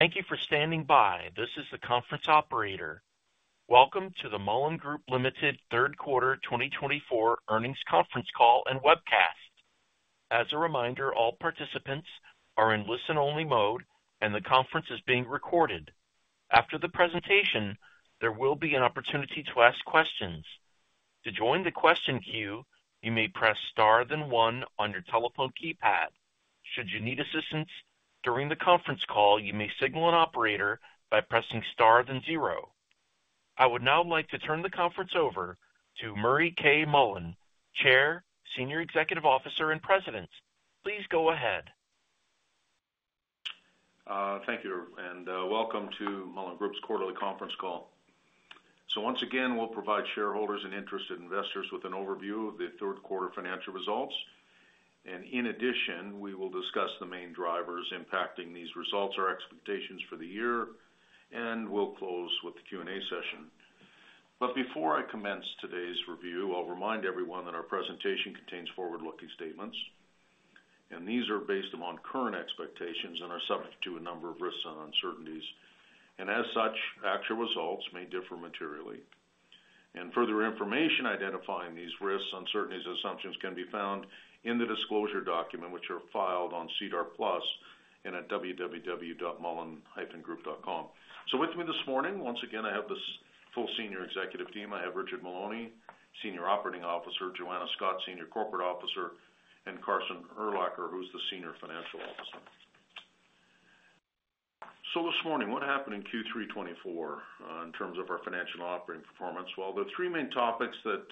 Thank you for standing by. This is the conference operator. Welcome to the Mullen Group Limited Third Quarter 2024 Earnings Conference Call and Webcast. As a reminder, all participants are in listen-only mode and the conference is being recorded. After the presentation, there will be an opportunity to ask questions. To join the question queue, you may press star then one on your telephone keypad. Should you need assistance during the conference call, you may signal an operator by pressing star then zero. I would now like to turn the conference over to Murray K. Mullen, Chair, Senior Executive Officer, and President. Please go ahead. Thank you, and welcome to Mullen Group's quarterly conference call. So once again, we'll provide shareholders and interested investors with an overview of the third quarter financial results. And in addition, we will discuss the main drivers impacting these results, our expectations for the year, and we'll close with the Q&A session. But before I commence today's review, I'll remind everyone that our presentation contains forward-looking statements, and these are based upon current expectations and are subject to a number of risks and uncertainties, and as such, actual results may differ materially. And further information identifying these risks, uncertainties, and assumptions can be found in the disclosure document, which are filed on SEDAR+ and at www.mullen-group.com. So with me this morning, once again, I have this full senior executive team. I have Richard Maloney, Senior Operating Officer, Joanna Scott, Senior Corporate Officer, and Carson Urlacher, who's the Senior Financial Officer. So this morning, what happened in Q3 2024 in terms of our financial operating performance? Well, the three main topics that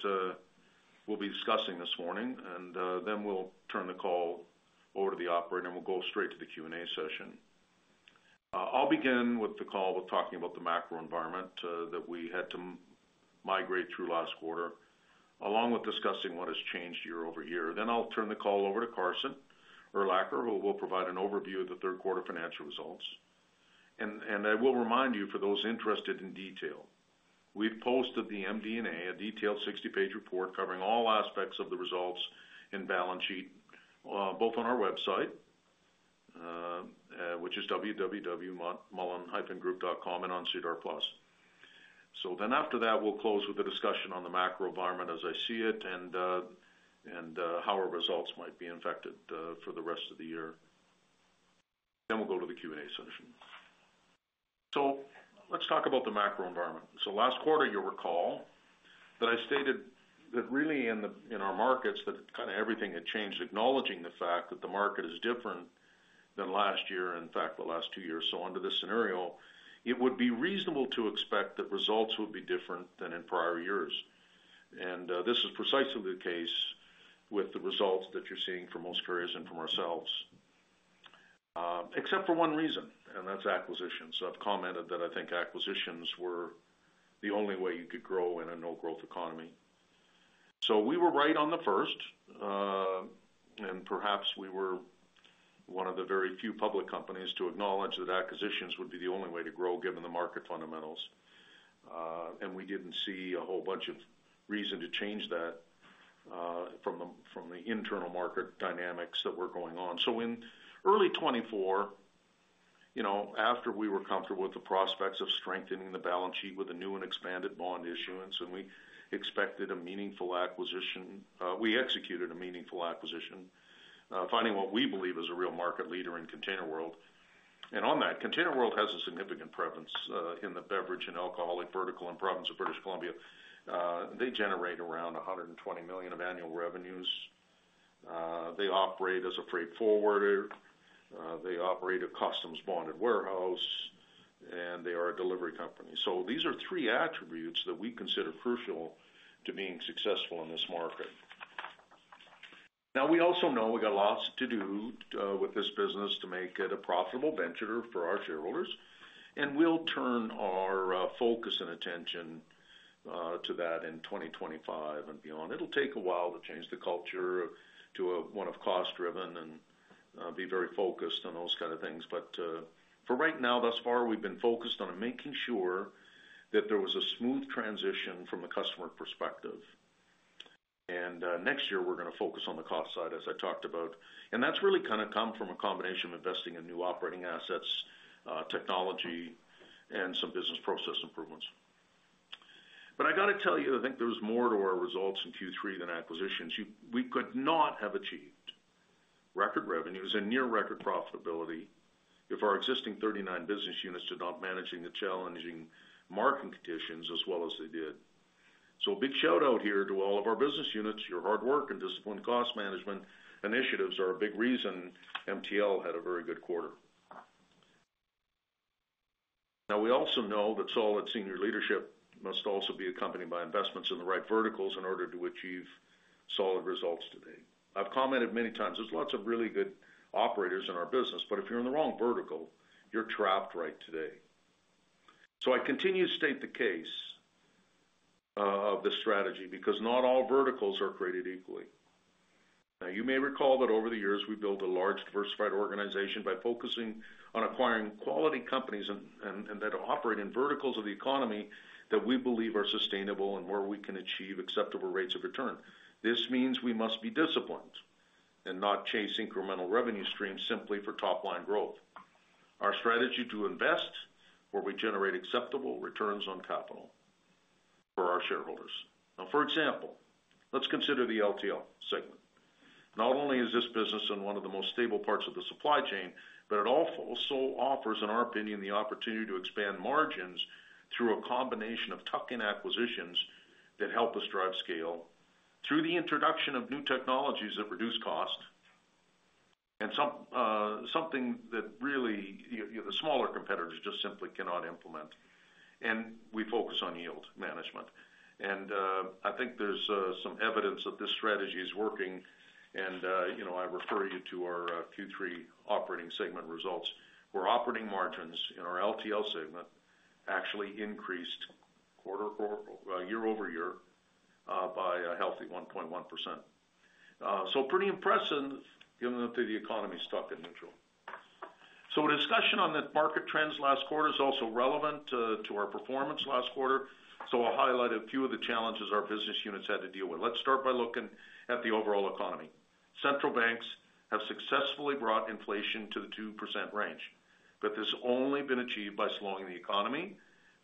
we'll be discussing this morning, and then we'll turn the call over to the operator, and we'll go straight to the Q&A session. I'll begin with the call with talking about the macro environment that we had to migrate through last quarter, along with discussing what has changed year-over-year. Then I'll turn the call over to Carson Urlacher, who will provide an overview of the third quarter financial results. I will remind you for those interested in detail. We've posted the MD&A, a detailed 60-page report covering all aspects of the results and balance sheet, both on our website, which is www.mullen-group.com and on SEDAR+. Then after that, we'll close with a discussion on the macro environment as I see it and how our results might be impacted for the rest of the year. We'll go to the Q&A session. Let's talk about the macro environment. Last quarter, you'll recall that I stated that really, in our markets, that kind of everything had changed, acknowledging the fact that the market is different than last year, and in fact, the last two years. Under this scenario, it would be reasonable to expect that results would be different than in prior years. And, this is precisely the case with the results that you're seeing from most carriers and from ourselves, except for one reason, and that's acquisitions. I've commented that I think acquisitions were the only way you could grow in a no-growth economy. So we were right on the first, and perhaps we were one of the very few public companies to acknowledge that acquisitions would be the only way to grow, given the market fundamentals. And we didn't see a whole bunch of reason to change that, from the internal market dynamics that were going on. In early 2024, you know, after we were comfortable with the prospects of strengthening the balance sheet with a new and expanded bond issuance, and we expected a meaningful acquisition, we executed a meaningful acquisition, finding what we believe is a real market leader in ContainerWorld. ContainerWorld has a significant presence in the beverage and alcohol vertical and province of British Columbia. They generate around 120 million of annual revenues. They operate as a freight forwarder. They operate a customs bonded warehouse, and they are a delivery company. These are three attributes that we consider crucial to being successful in this market. Now, we also know we've got lots to do with this business to make it a profitable venture for our shareholders, and we'll turn our focus and attention to that in 2025 and beyond. It'll take a while to change the culture to one of cost-driven and be very focused on those kind of things. But for right now, thus far, we've been focused on making sure that there was a smooth transition from a customer perspective. And next year, we're gonna focus on the cost side, as I talked about, and that's really kind of come from a combination of investing in new operating assets, technology, and some business process improvements. But I got to tell you, I think there's more to our results in Q3 than acquisitions. We could not have achieved record revenues and near record profitability if our existing 39 business units did not manage the challenging market conditions as well as they did, so a big shout-out here to all of our business units. Your hard work and disciplined cost management initiatives are a big reason MTL had a very good quarter. Now, we also know that solid senior leadership must also be accompanied by investments in the right verticals in order to achieve solid results today. I've commented many times. There's lots of really good operators in our business, but if you're in the wrong vertical, you're trapped right today, so I continue to state the case of this strategy because not all verticals are created equally. Now, you may recall that over the years, we've built a large, diversified organization by focusing on acquiring quality companies and that operate in verticals of the economy that we believe are sustainable and where we can achieve acceptable rates of return. This means we must be disciplined and not chase incremental revenue streams simply for top line growth. Our strategy to invest, where we generate acceptable returns on capital for our shareholders. Now, for example, let's consider the LTL segment. Not only is this business in one of the most stable parts of the supply chain, but it also offers, in our opinion, the opportunity to expand margins through a combination of tuck-in acquisitions that help us drive scale through the introduction of new technologies that reduce cost, and some something that really the smaller competitors just simply cannot implement. We focus on yield management. I think there's some evidence that this strategy is working, and you know, I refer you to our Q3 operating segment results, where operating margins in our LTL segment actually increased quarter-over-year by a healthy 1.1%. Pretty impressive, given that the economy is stuck in neutral. The discussion on the market trends last quarter is also relevant to our performance last quarter, so I'll highlight a few of the challenges our business units had to deal with. Let's start by looking at the overall economy. Central banks have successfully brought inflation to the 2% range, but this has only been achieved by slowing the economy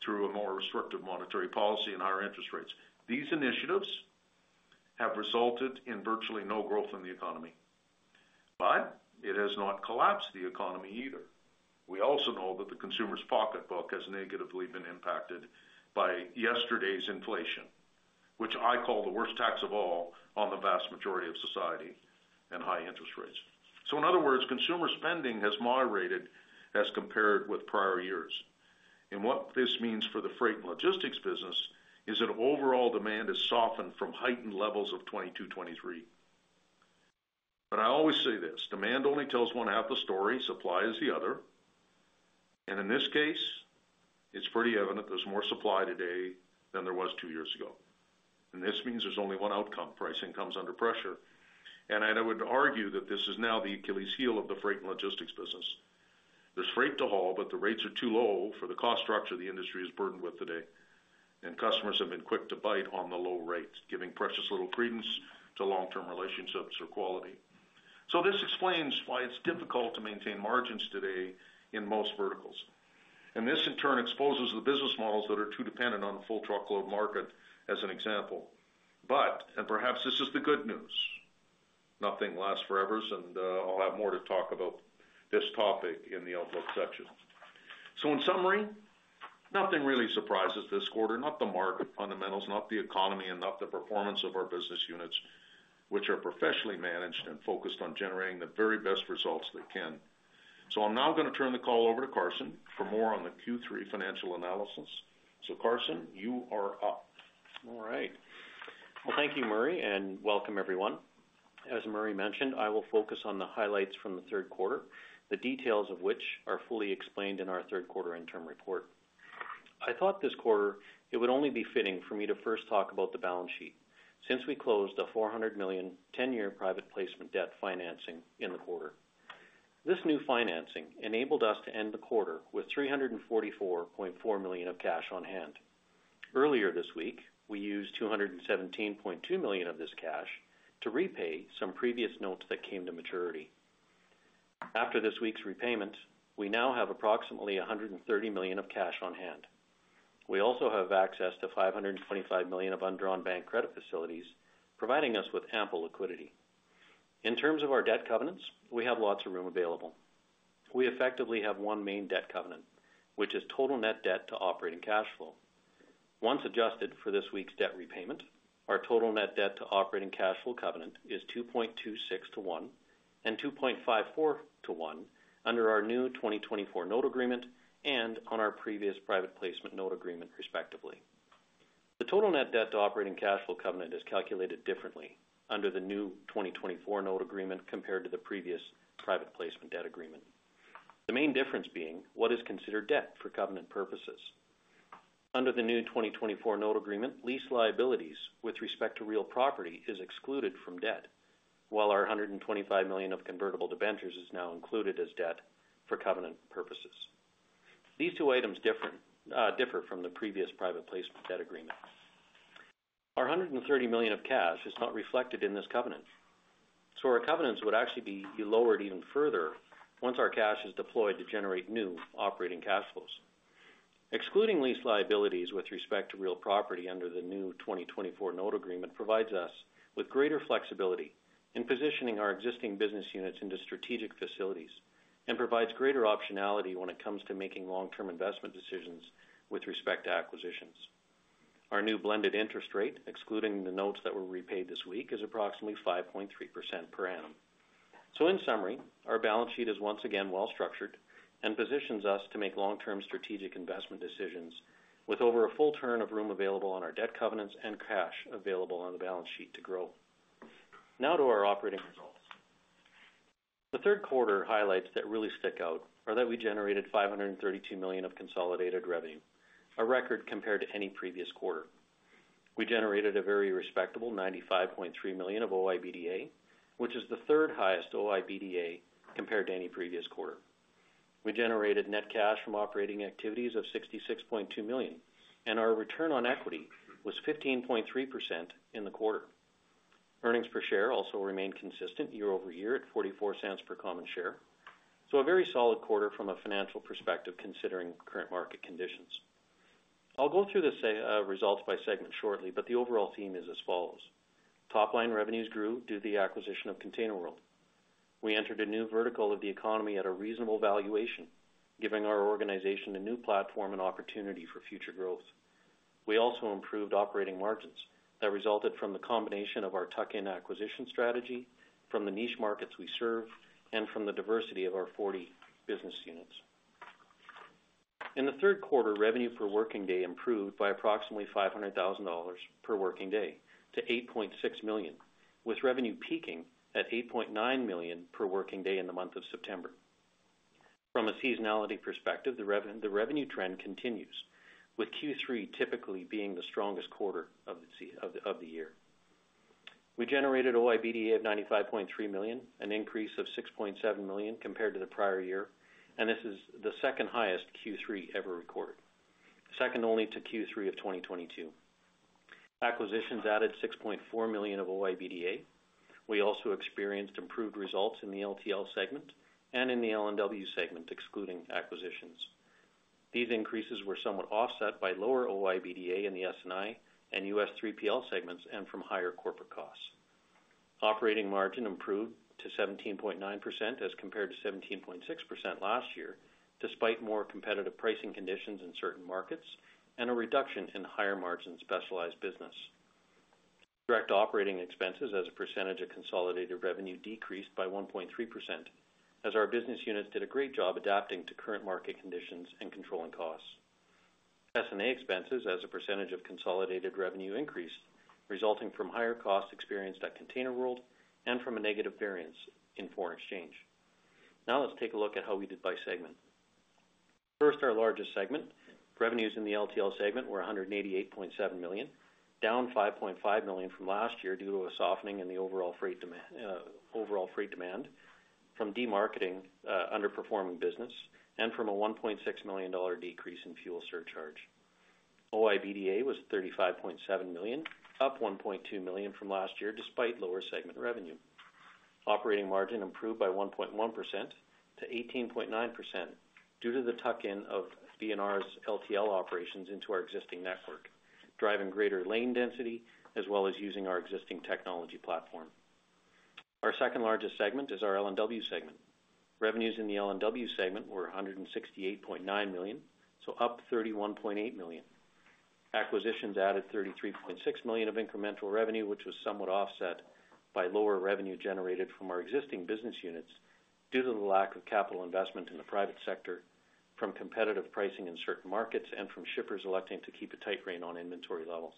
through a more restrictive monetary policy and higher interest rates. These initiatives have resulted in virtually no growth in the economy, but it has not collapsed the economy either. We also know that the consumer's pocketbook has negatively been impacted by yesterday's inflation, which I call the worst tax of all on the vast majority of society, and high interest rates. So in other words, consumer spending has moderated as compared with prior years. And what this means for the freight and logistics business, is that overall demand has softened from heightened levels of 2022-2023. But I always say this, demand only tells one half the story, supply is the other. And in this case, it's pretty evident there's more supply today than there was two years ago. And this means there's only one outcome, pricing comes under pressure. And I would argue that this is now the Achilles heel of the freight and logistics business. There's freight to haul, but the rates are too low for the cost structure the industry is burdened with today, and customers have been quick to bite on the low rates, giving precious little credence to long-term relationships or quality. So this explains why it's difficult to maintain margins today in most verticals, and this, in turn, exposes the business models that are too dependent on the full truckload market, as an example. But, and perhaps this is the good news, nothing lasts forever, and, I'll have more to talk about this topic in the outlook section. So in summary, nothing really surprises this quarter, not the market fundamentals, not the economy, and not the performance of our business units, which are professionally managed and focused on generating the very best results they can. So I'm now going to turn the call over to Carson for more on the Q3 financial analysis. So Carson, you are up. All right. Thank you, Murray, and welcome everyone. As Murray mentioned, I will focus on the highlights from the third quarter, the details of which are fully explained in our third quarter interim report. I thought this quarter it would only be fitting for me to first talk about the balance sheet, since we closed a 400 million, ten-year private placement debt financing in the quarter. This new financing enabled us to end the quarter with 344.4 million of cash on hand. Earlier this week, we used 217.2 million of this cash to repay some previous notes that came to maturity. After this week's repayment, we now have approximately 130 million of cash on hand. We also have access to 525 million of undrawn bank credit facilities, providing us with ample liquidity. In terms of our debt covenants, we have lots of room available. We effectively have one main debt covenant, which is total net debt to operating cash flow. Once adjusted for this week's debt repayment, our total net debt to operating cash flow covenant is 2.26 to 1, and 2.54 to 1 under our new 2024 note agreement and on our previous private placement note agreement, respectively. The total net debt to operating cash flow covenant is calculated differently under the new 2024 note agreement compared to the previous private placement debt agreement. The main difference being what is considered debt for covenant purposes. Under the new 2024 note agreement, lease liabilities with respect to real property is excluded from debt, while our 125 million of convertible debentures is now included as debt for covenant purposes. These two items differ from the previous private placement debt agreement. Our 130 million of cash is not reflected in this covenant, so our covenants would actually be lowered even further once our cash is deployed to generate new operating cash flows. Excluding lease liabilities with respect to real property under the new 2024 note agreement provides us with greater flexibility in positioning our existing business units into strategic facilities, and provides greater optionality when it comes to making long-term investment decisions with respect to acquisitions. Our new blended interest rate, excluding the notes that were repaid this week, is approximately 5.3% per annum. In summary, our balance sheet is once again well structured and positions us to make long-term strategic investment decisions with over a full turn of room available on our debt covenants and cash available on the balance sheet to grow. Now to our operating results. The third quarter highlights that really stick out are that we generated 532 million of consolidated revenue, a record compared to any previous quarter. We generated a very respectable 95.3 million of OIBDA, which is the third highest OIBDA compared to any previous quarter. We generated net cash from operating activities of 66.2 million, and our return on equity was 15.3% in the quarter. Earnings per share also remained consistent year-over-year at 0.44 per common share. A very solid quarter from a financial perspective, considering current market conditions. I'll go through the results by segment shortly, but the overall theme is as follows: Top line revenues grew due to the acquisition of ContainerWorld. We entered a new vertical of the economy at a reasonable valuation, giving our organization a new platform and opportunity for future growth. We also improved operating margins that resulted from the combination of our tuck-in acquisition strategy, from the niche markets we serve, and from the diversity of our 40 business units. In the third quarter, revenue per working day improved by approximately 500,000 dollars per working day to 8.6 million, with revenue peaking at 8.9 million per working day in the month of September. From a seasonality perspective, the revenue trend continues, with Q3 typically being the strongest quarter of the year. We generated OIBDA of 95.3 million, an increase of 6.7 million compared to the prior year, and this is the second highest Q3 ever recorded, second only to Q3 of 2022. Acquisitions added 6.4 million of OIBDA. We also experienced improved results in the LTL segment and in the L&W segment, excluding acquisitions. These increases were somewhat offset by lower OIBDA in the S&I and U.S. 3PL segments, and from higher corporate costs. Operating margin improved to 17.9%, as compared to 17.6% last year, despite more competitive pricing conditions in certain markets and a reduction in higher-margin specialized business. Direct operating expenses as a percentage of consolidated revenue decreased by 1.3%, as our business units did a great job adapting to current market conditions and controlling costs. S&A expenses as a percentage of consolidated revenue increased, resulting from higher costs experienced at ContainerWorld and from a negative variance in foreign exchange. Now, let's take a look at how we did by segment. First, our largest segment. Revenues in the LTL segment were 188.7 million, down 5.5 million from last year due to a softening in the overall freight demand from demarketing, underperforming business, and from a 1.6 million dollar decrease in fuel surcharge. OIBDA was 35.7 million, up 1.2 million from last year, despite lower segment revenue. Operating margin improved by 1.1% to 18.9% due to the tuck-in of B&R's LTL operations into our existing network, driving greater lane density, as well as using our existing technology platform. Our second-largest segment is our L&W segment. Revenues in the L&W segment were 168.9 million, so up 31.8 million. Acquisitions added 33.6 million of incremental revenue, which was somewhat offset by lower revenue generated from our existing business units due to the lack of capital investment in the private sector, from competitive pricing in certain markets, and from shippers electing to keep a tight rein on inventory levels.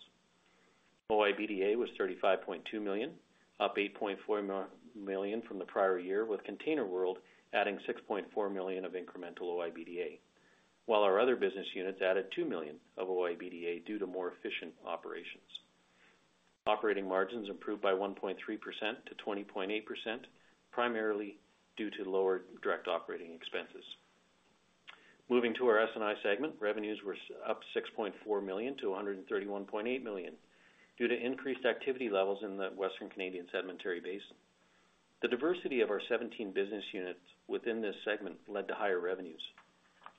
OIBDA was 35.2 million, up 8.4 million from the prior year, with ContainerWorld adding 6.4 million of incremental OIBDA, while our other business units added 2 million of OIBDA due to more efficient operations. Operating margins improved by 1.3% to 20.8%, primarily due to lower direct operating expenses. Moving to our S&I segment, revenues were up 6.4 million to 131.8 million due to increased activity levels in the Western Canadian Sedimentary Basin. The diversity of our 17 business units within this segment led to higher revenues.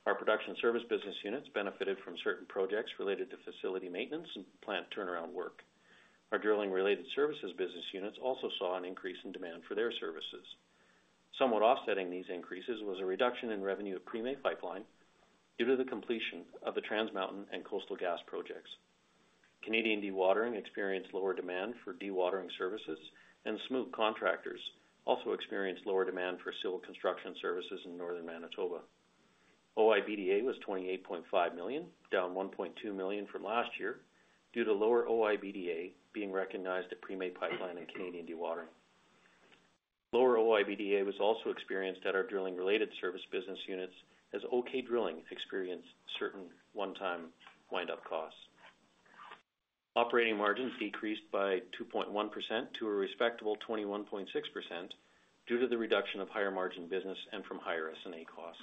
Our production service business units benefited from certain projects related to facility maintenance and plant turnaround work. Our drilling-related services business units also saw an increase in demand for their services. Somewhat offsetting these increases was a reduction in revenue at Premay Pipeline due to the completion of the Trans Mountain and Coastal Gas projects. Canadian Dewatering experienced lower demand for dewatering services, and Smook Contractors also experienced lower demand for civil construction services in northern Manitoba. OIBDA was 28.5 million, down 1.2 million from last year due to lower OIBDA being recognized at Premay Pipeline and Canadian Dewatering. Lower OIBDA was also experienced at our drilling-related service business units, as OK Drilling experienced certain one-time wind-up costs. Operating margins decreased by 2.1% to a respectable 21.6% due to the reduction of higher-margin business and from higher S&A costs.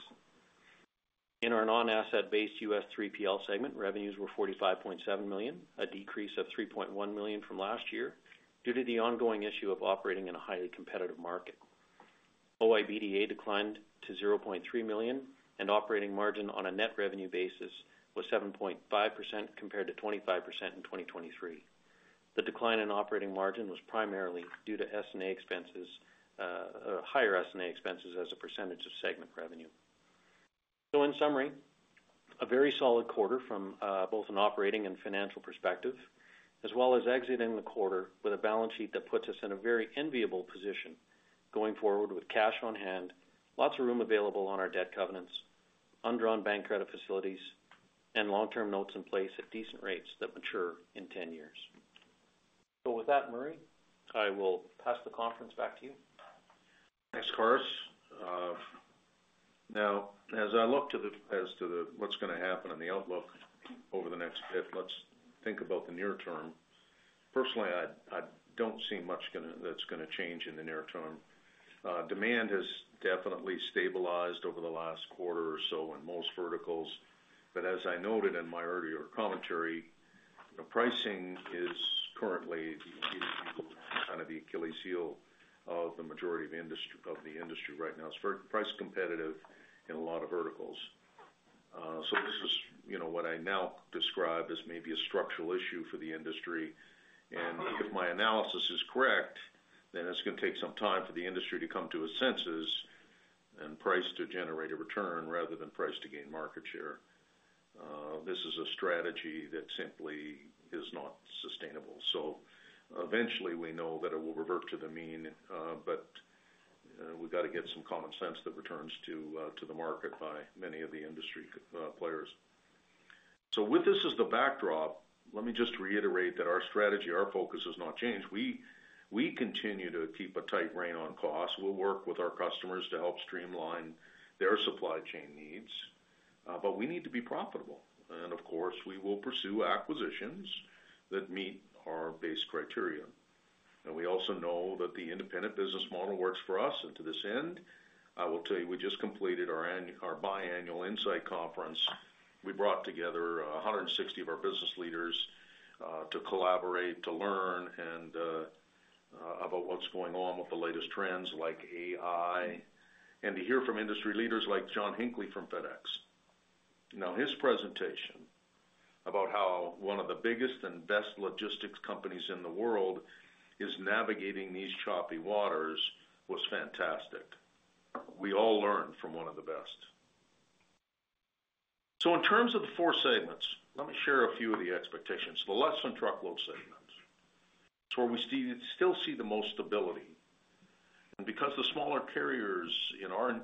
In our non-asset-based U.S. 3PL segment, revenues were 45.7 million, a decrease of 3.1 million from last year due to the ongoing issue of operating in a highly competitive market. OIBDA declined to 0.3 million, and operating margin on a net revenue basis was 7.5%, compared to 25% in 2023. The decline in operating margin was primarily due to higher S&A expenses as a percentage of segment revenue. So in summary, a very solid quarter from both an operating and financial perspective, as well as exiting the quarter with a balance sheet that puts us in a very enviable position going forward with cash on hand, lots of room available on our debt covenants, undrawn bank credit facilities, and long-term notes in place at decent rates that mature in ten years. So with that, Murray, I will pass the conference back to you. Thanks, Carson. Now, as I look to what's gonna happen in the outlook over the next bit, let's think about the near term. Personally, I don't see much that's gonna change in the near term. Demand has definitely stabilized over the last quarter or so in most verticals, but as I noted in my earlier commentary, the pricing is currently kind of the Achilles heel of the majority of the industry right now. It's very price competitive in a lot of verticals. So this is, you know, what I now describe as maybe a structural issue for the industry. If my analysis is correct, then it's gonna take some time for the industry to come to its senses and price to generate a return rather than price to gain market share. This is a strategy that simply is not sustainable. So eventually, we know that it will revert to the mean, but we've got to get some common sense that returns to the market by many of the industry players. With this as the backdrop, let me just reiterate that our strategy, our focus has not changed. We continue to keep a tight rein on costs. We'll work with our customers to help streamline their supply chain needs, but we need to be profitable. And of course, we will pursue acquisitions that meet our base criteria. And we also know that the independent business model works for us. And to this end, I will tell you, we just completed our biannual insight conference. We brought together 160 of our business leaders to collaborate, to learn, and about what's going on with the latest trends like AI, and to hear from industry leaders like John Hinckley from FedEx. Now, his presentation about how one of the biggest and best logistics companies in the world is navigating these choppy waters was fantastic. We all learned from one of the best. So in terms of the four segments, let me share a few of the expectations. The less than truckload segments. It's where we still see the most stability. And because the smaller carriers in our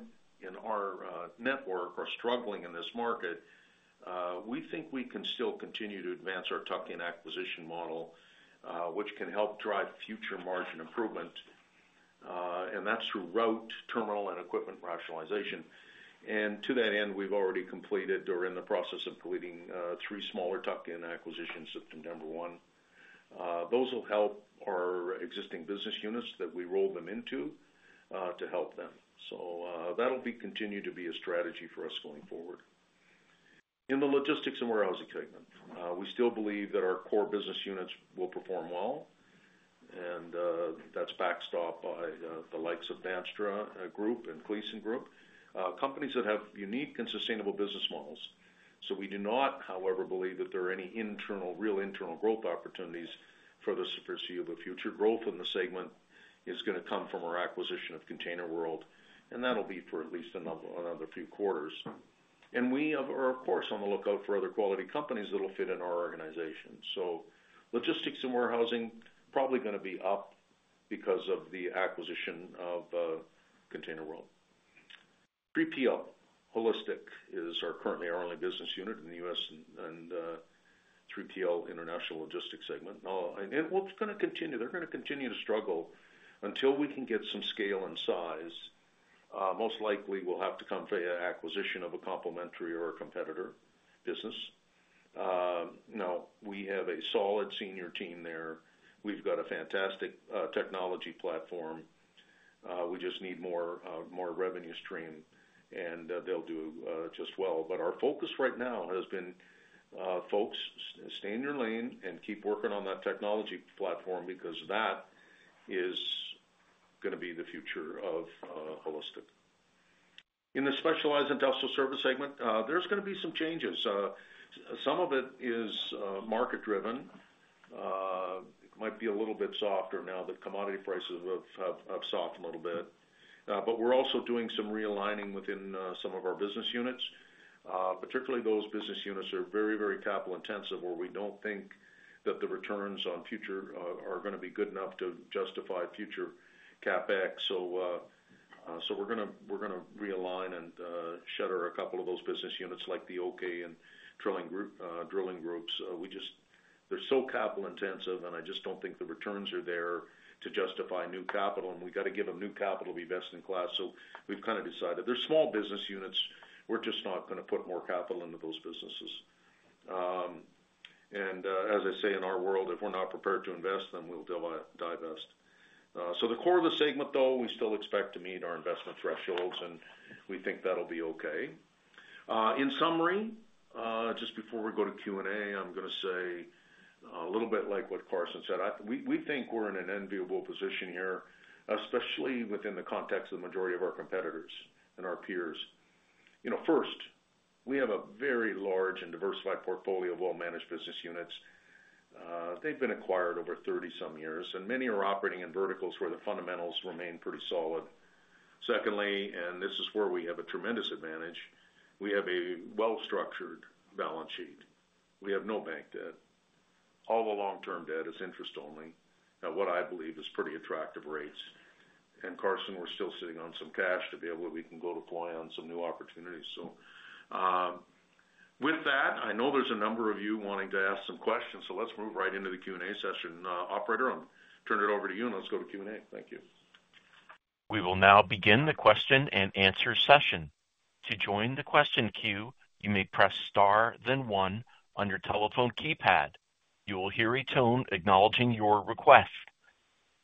network are struggling in this market, we think we can still continue to advance our tuck-in acquisition model, which can help drive future margin improvement, and that's through route, terminal, and equipment rationalization. And to that end, we've already completed, or are in the process of completing, three smaller tuck-in acquisitions, number one. Those will help our existing business units that we roll them into, to help them. So, that'll be continued to be a strategy for us going forward. In the logistics and warehousing segment, we still believe that our core business units will perform well, and, that's backstopped by the likes of Bandstra Group and Kleysen Group. Companies that have unique and sustainable business models. So we do not, however, believe that there are any real internal growth opportunities for the foreseeable future. Growth in the segment is gonna come from our acquisition of ContainerWorld, and that'll be for at least another few quarters. We are, of course, on the lookout for other quality companies that will fit in our organization. Logistics and warehousing probably gonna be up because of the acquisition of ContainerWorld. 3PL, HAUListic is currently our only business unit in the U.S. and 3PL international logistics segment. It's gonna continue. They're gonna continue to struggle until we can get some scale and size. Most likely, we'll have to come to a acquisition of a complementary or a competitor business. Now, we have a solid senior team there. We've got a fantastic technology platform. We just need more revenue stream, and they'll do just well. But our focus right now has been, folks, stay in your lane and keep working on that technology platform, because that is gonna be the future of HAUListic. In the specialized industrial service segment, there's gonna be some changes. Some of it is market driven, might be a little bit softer now that commodity prices have softened a little bit. But we're also doing some realigning within some of our business units, particularly those business units that are very, very capital intensive, where we don't think that the returns on future are gonna be good enough to justify future CapEx. So we're gonna realign and shutter a couple of those business units, like the OK Drilling Group. They're so capital intensive, and I just don't think the returns are there to justify new capital, and we've got to give them new capital to be best in class, so we've kind of decided. They're small business units, we're just not gonna put more capital into those businesses. As I say, in our world, if we're not prepared to invest, then we'll divest, so the core of the segment, though, we still expect to meet our investment thresholds, and we think that'll be okay. In summary, just before we go to Q&A, I'm gonna say a little bit like what Carson said, we think we're in an enviable position here, especially within the context of the majority of our competitors and our peers. You know, first, we have a very large and diversified portfolio of well-managed business units. They've been acquired over thirty some years, and many are operating in verticals where the fundamentals remain pretty solid. Secondly, and this is where we have a tremendous advantage, we have a well-structured balance sheet. We have no bank debt. All the long-term debt is interest-only, at what I believe is pretty attractive rates. And Carson, we're still sitting on some cash to be able, we can go deploy on some new opportunities. So, with that, I know there's a number of you wanting to ask some questions, so let's move right into the Q&A session. Operator, I'll turn it over to you, and let's go to Q&A. Thank you. We will now begin the question-and-answer session. To join the question queue, you may press star then one on your telephone keypad. You will hear a tone acknowledging your request.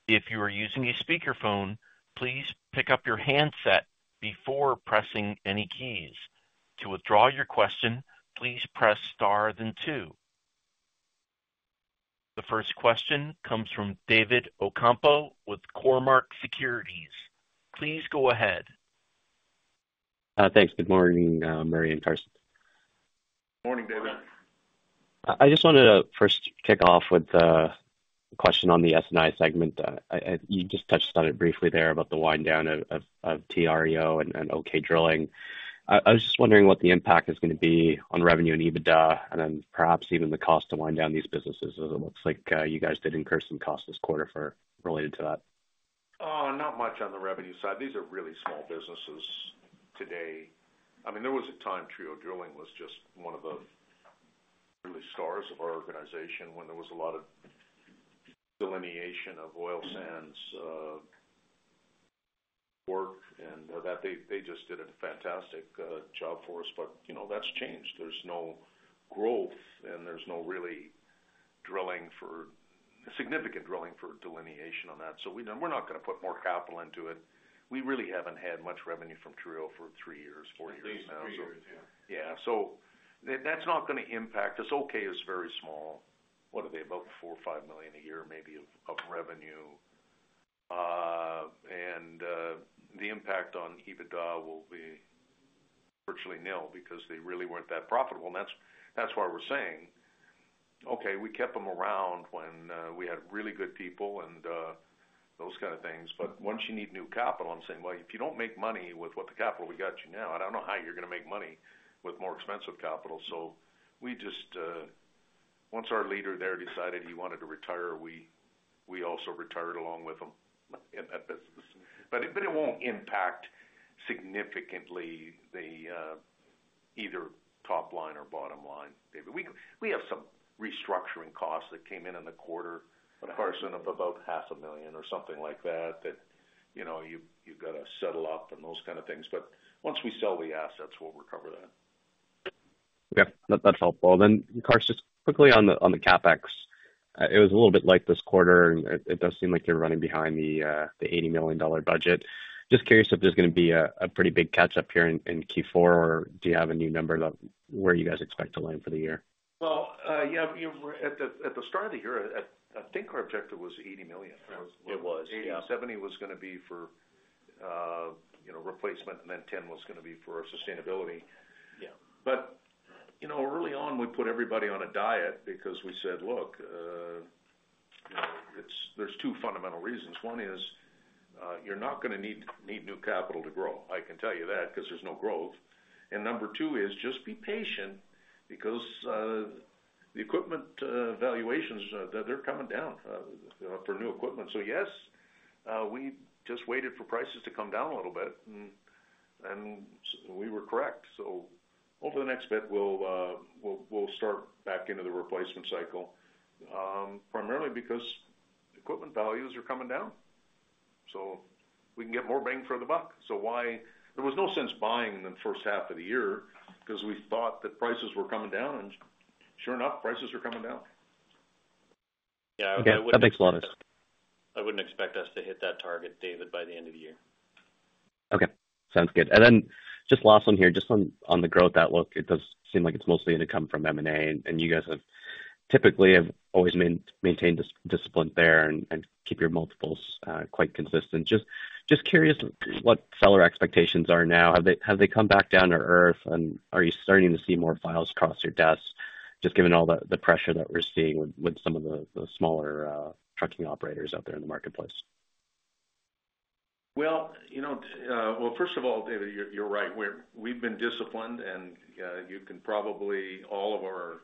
If you are using a speakerphone, please pick up your handset before pressing any keys. To withdraw your question, please press star then two. The first question comes from David Ocampo with Cormark Securities. Please go ahead. Thanks. Good morning, Murray and Carson. Morning, David. I just wanted to first kick off with the question on the S&I segment. You just touched on it briefly there about the wind down of TREO and OK Drilling. I was just wondering what the impact is going to be on revenue and EBITDA, and then perhaps even the cost to wind down these businesses, as it looks like you guys did incur some costs this quarter related to that. Not much on the revenue side. These are really small businesses today. I mean, there was a time TREO Drilling was just one of the real stars of our organization, when there was a lot of delineation of oil sands work, and that they just did a fantastic job for us. But, you know, that's changed. There's no growth, and there's no real drilling for significant delineation on that. So we're not going to put more capital into it. We really haven't had much revenue from TREO for three years, four years now. At least three years, yeah. Yeah. So that's not going to impact us. OK is very small. What are they? About 4 million or 5 million a year, maybe, of revenue. And the impact on EBITDA will be virtually nil, because they really weren't that profitable. And that's why we're saying, okay, we kept them around when we had really good people and those kind of things. But once you need new capital, I'm saying: Well, if you don't make money with what the capital we got you now, I don't know how you're going to make money with more expensive capital. So we just, once our leader there decided he wanted to retire, we also retired along with him in that business. But it won't impact significantly the either top line or bottom line, David. We have some restructuring costs that came in in the quarter, Carson, of about 500,000 or something like that, that you know you've got to settle up and those kind of things. But once we sell the assets, we'll recover that. Okay, that's helpful. Then, Carson, just quickly on the CapEx, it was a little bit light this quarter, and it does seem like you're running behind the 80 million dollar budget. Just curious if there's going to be a pretty big catch-up here in Q4, or do you have a new number of where you guys expect to land for the year? Yeah, you know, at the start of the year, I think our objective was 80 million. It was, yeah. 70 million was going to be for, you know, replacement, and then 10 million was going to be for our sustainability. Yeah. You know, early on, we put everybody on a diet because we said: Look, you know, it's. There are two fundamental reasons. One is, you're not going to need new capital to grow. I can tell you that, because there's no growth. Number two is just be patient because the equipment valuations are coming down for new equipment. Yes, we just waited for prices to come down a little bit, and we were correct. Over the next bit, we'll start back into the replacement cycle, primarily because equipment values are coming down, so we can get more bang for the buck. There was no sense buying in the first half of the year because we thought that prices were coming down, and sure enough, prices are coming down. Yeah. That makes a lot of sense. I wouldn't expect us to hit that target, David, by the end of the year. Okay, sounds good. And then just last one here, just on the growth outlook, it does seem like it's mostly going to come from M&A, and you guys have typically have always maintained discipline there and keep your multiples quite consistent. Just curious what seller expectations are now. Have they come back down to earth, and are you starting to see more files cross your desks, just given all the pressure that we're seeing with some of the smaller trucking operators out there in the marketplace? You know, first of all, David, you're right. We've been disciplined, and you can probably, alll of our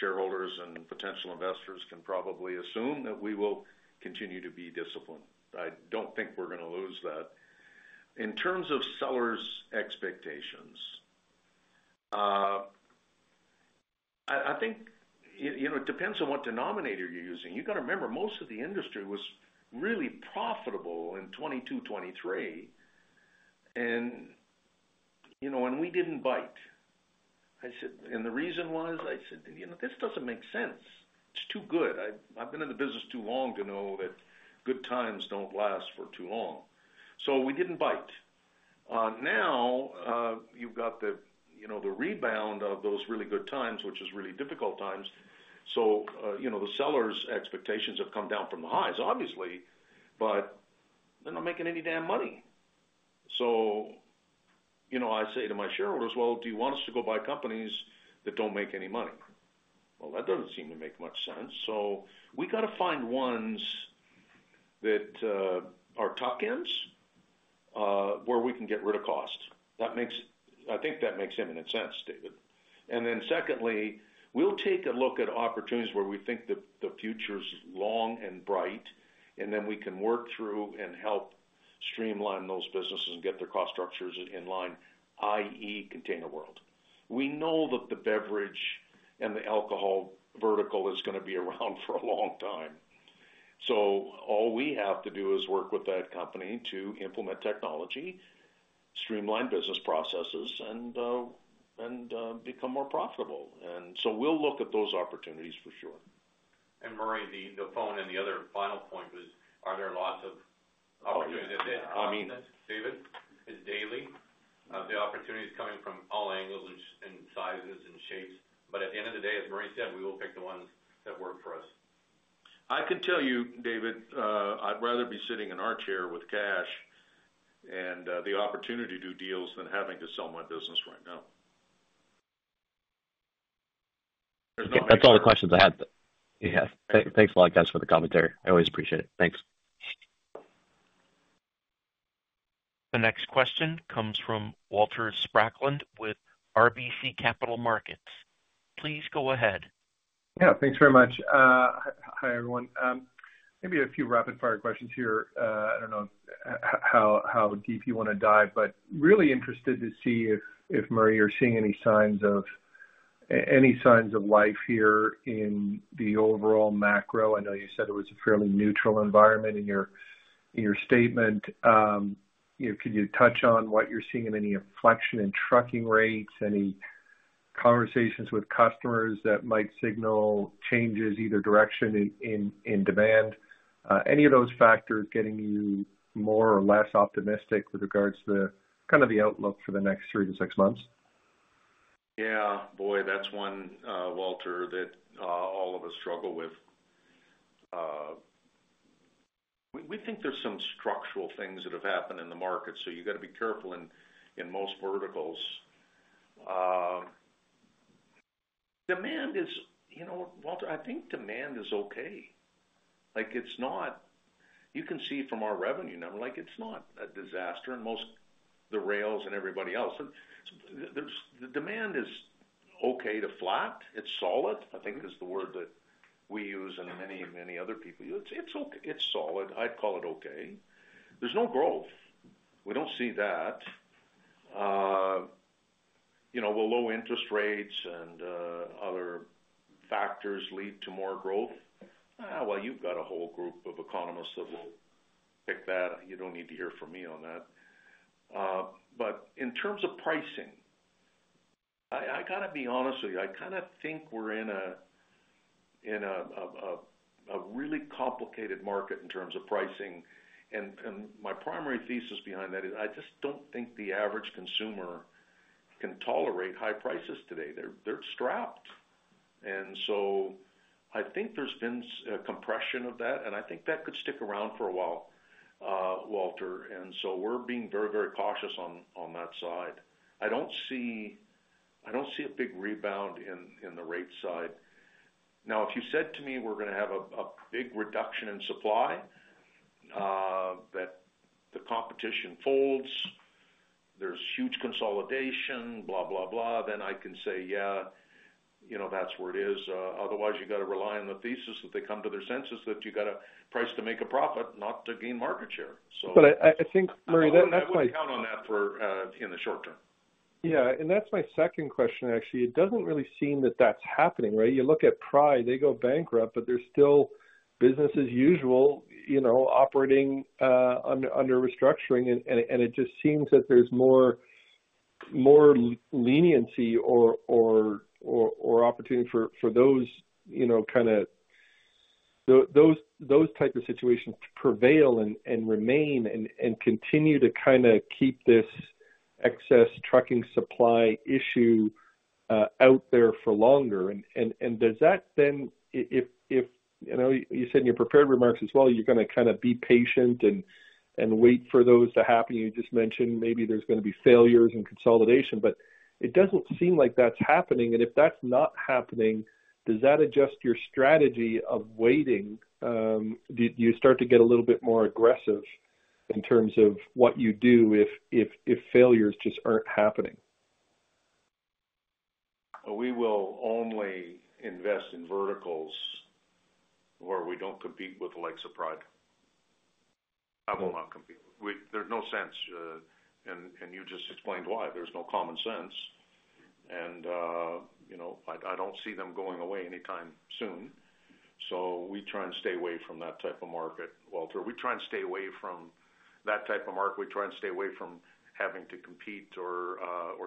shareholders and potential investors can probably assume that we will continue to be disciplined. I don't think we're going to lose that. In terms of sellers' expectations, I think, you know, it depends on what denominator you're using. You got to remember, most of the industry was really profitable in 2022, 2023, and, you know, and we didn't bite. I said. And the reason was, I said: You know, this doesn't make sense. It's too good. I've been in the business too long to know that good times don't last for too long. So we didn't bite. Now, you've got the, you know, the rebound of those really good times, which is really difficult times. So, you know, the sellers' expectations have come down from the highs, obviously, but they're not making any damn money. So, you know, I say to my shareholders: "Well, do you want us to go buy companies that don't make any money?" Well, that doesn't seem to make much sense. So we got to find ones that are top-ends, where we can get rid of costs. I think that makes imminent sense, David. And then secondly, we'll take a look at opportunities where we think the future is long and bright, and then we can work through and help streamline those businesses and get their cost structures in line, i.e., ContainerWorld. We know that the beverage and the alcohol vertical is going to be around for a long time. So all we have to do is work with that company to implement technology, streamline business processes, and become more profitable. And so we'll look at those opportunities for sure. Murray, the phone and the other final point was, are there lots of opportunities? Oh, yeah. I mean- David, it's daily. The opportunities coming from all angles and sizes and shapes. But at the end of the day, as Murray said, we will pick the ones that work for us. I can tell you, David. I'd rather be sitting in our chair with cash and the opportunity to do deals than having to sell my business right now. That's all the questions I had. Yeah. Thanks a lot, guys, for the commentary. I always appreciate it. Thanks. The next question comes from Walter Spracklin with RBC Capital Markets. Please go ahead. Yeah, thanks very much. Hi, everyone. Maybe a few rapid fire questions here. I don't know how deep you want to dive, but really interested to see if, Murray, you're seeing any signs of life here in the overall macro. I know you said it was a fairly neutral environment in your statement. You know, could you touch on what you're seeing in any inflection in trucking rates, any conversations with customers that might signal changes, either direction in demand? Any of those factors getting you more or less optimistic with regards to the kind of the outlook for the next three to six months? Yeah. Boy, that's one, Walter, that all of us struggle with. We think there's some structural things that have happened in the market, so you got to be careful in most verticals. Demand is, you know, Walter, I think demand is okay. Like, it's not. You can see from our revenue now, like, it's not a disaster, and most of the rails and everybody else. And there's the demand is okay to flat. It's solid, I think, is the word that we use and many, many other people use. It's okay, it's solid. I'd call it okay. There's no growth. We don't see that. You know, will low interest rates and other factors lead to more growth? Well, you've got a whole group of economists that will pick that. You don't need to hear from me on that. But in terms of pricing, I got to be honest with you, I kind of think we're in a really complicated market in terms of pricing. And my primary thesis behind that is, I just don't think the average consumer can tolerate high prices today. They're strapped. And so I think there's been a compression of that, and I think that could stick around for a while, Walter. And so we're being very, very cautious on that side. I don't see a big rebound in the rate side. Now, if you said to me, we're going to have a big reduction in supply, that the competition folds, there's huge consolidation, blah, blah, blah, then I can say, yeah, you know, that's where it is. Otherwise, you got to rely on the thesis that they come to their senses, that you got to price to make a profit, not to gain market share. So- But I think, Murray, that's my- I wouldn't count on that for in the short term. Yeah, and that's my second question, actually. It doesn't really seem that that's happening, right? You look at Pride, they go bankrupt, but they're still business as usual, you know, operating under restructuring. And it just seems that there's more leniency or opportunity for those, you know, kind of those type of situations to prevail and remain and continue to kind of keep this excess trucking supply issue out there for longer. And does that then, if you know, you said in your prepared remarks as well, you're going to kind of be patient and wait for those to happen. You just mentioned maybe there's going to be failures and consolidation, but it doesn't seem like that's happening. And if that's not happening, does that adjust your strategy of waiting? Do you start to get a little bit more aggressive in terms of what you do if failures just aren't happening? We will only invest in verticals where we don't compete with the likes of Pride. I will not compete. We, there's no sense, and you just explained why. There's no common sense, and you know, I don't see them going away anytime soon. So we try and stay away from that type of market, Walter. We try and stay away from that type of market. We try and stay away from having to compete or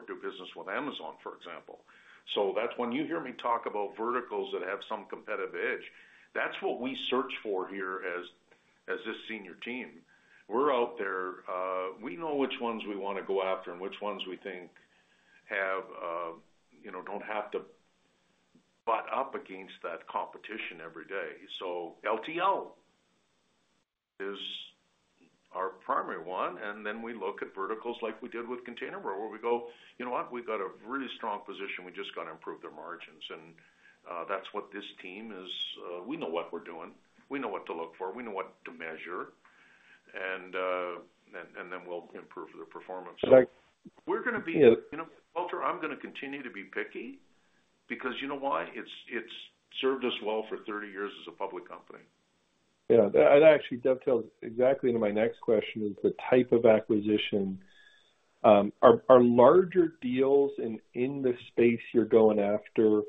do business with Amazon, for example. So that's when you hear me talk about verticals that have some competitive edge, that's what we search for here as this senior team. We're out there, we know which ones we want to go after and which ones we think have, you know, don't have to butt up against that competition every day. So LTL is our primary one, and then we look at verticals like we did with Container where we go, "You know what? We've got a really strong position. We just got to improve their margins." And, that's what this team is. We know what we're doing. We know what to look for, we know what to measure, and then we'll improve the performance. But. We're going to be, you know, Walter, I'm going to continue to be picky because you know why? It's served us well for thirty years as a public company. Yeah, that actually dovetails exactly into my next question, is the type of acquisition. Are larger deals in the space you're going after,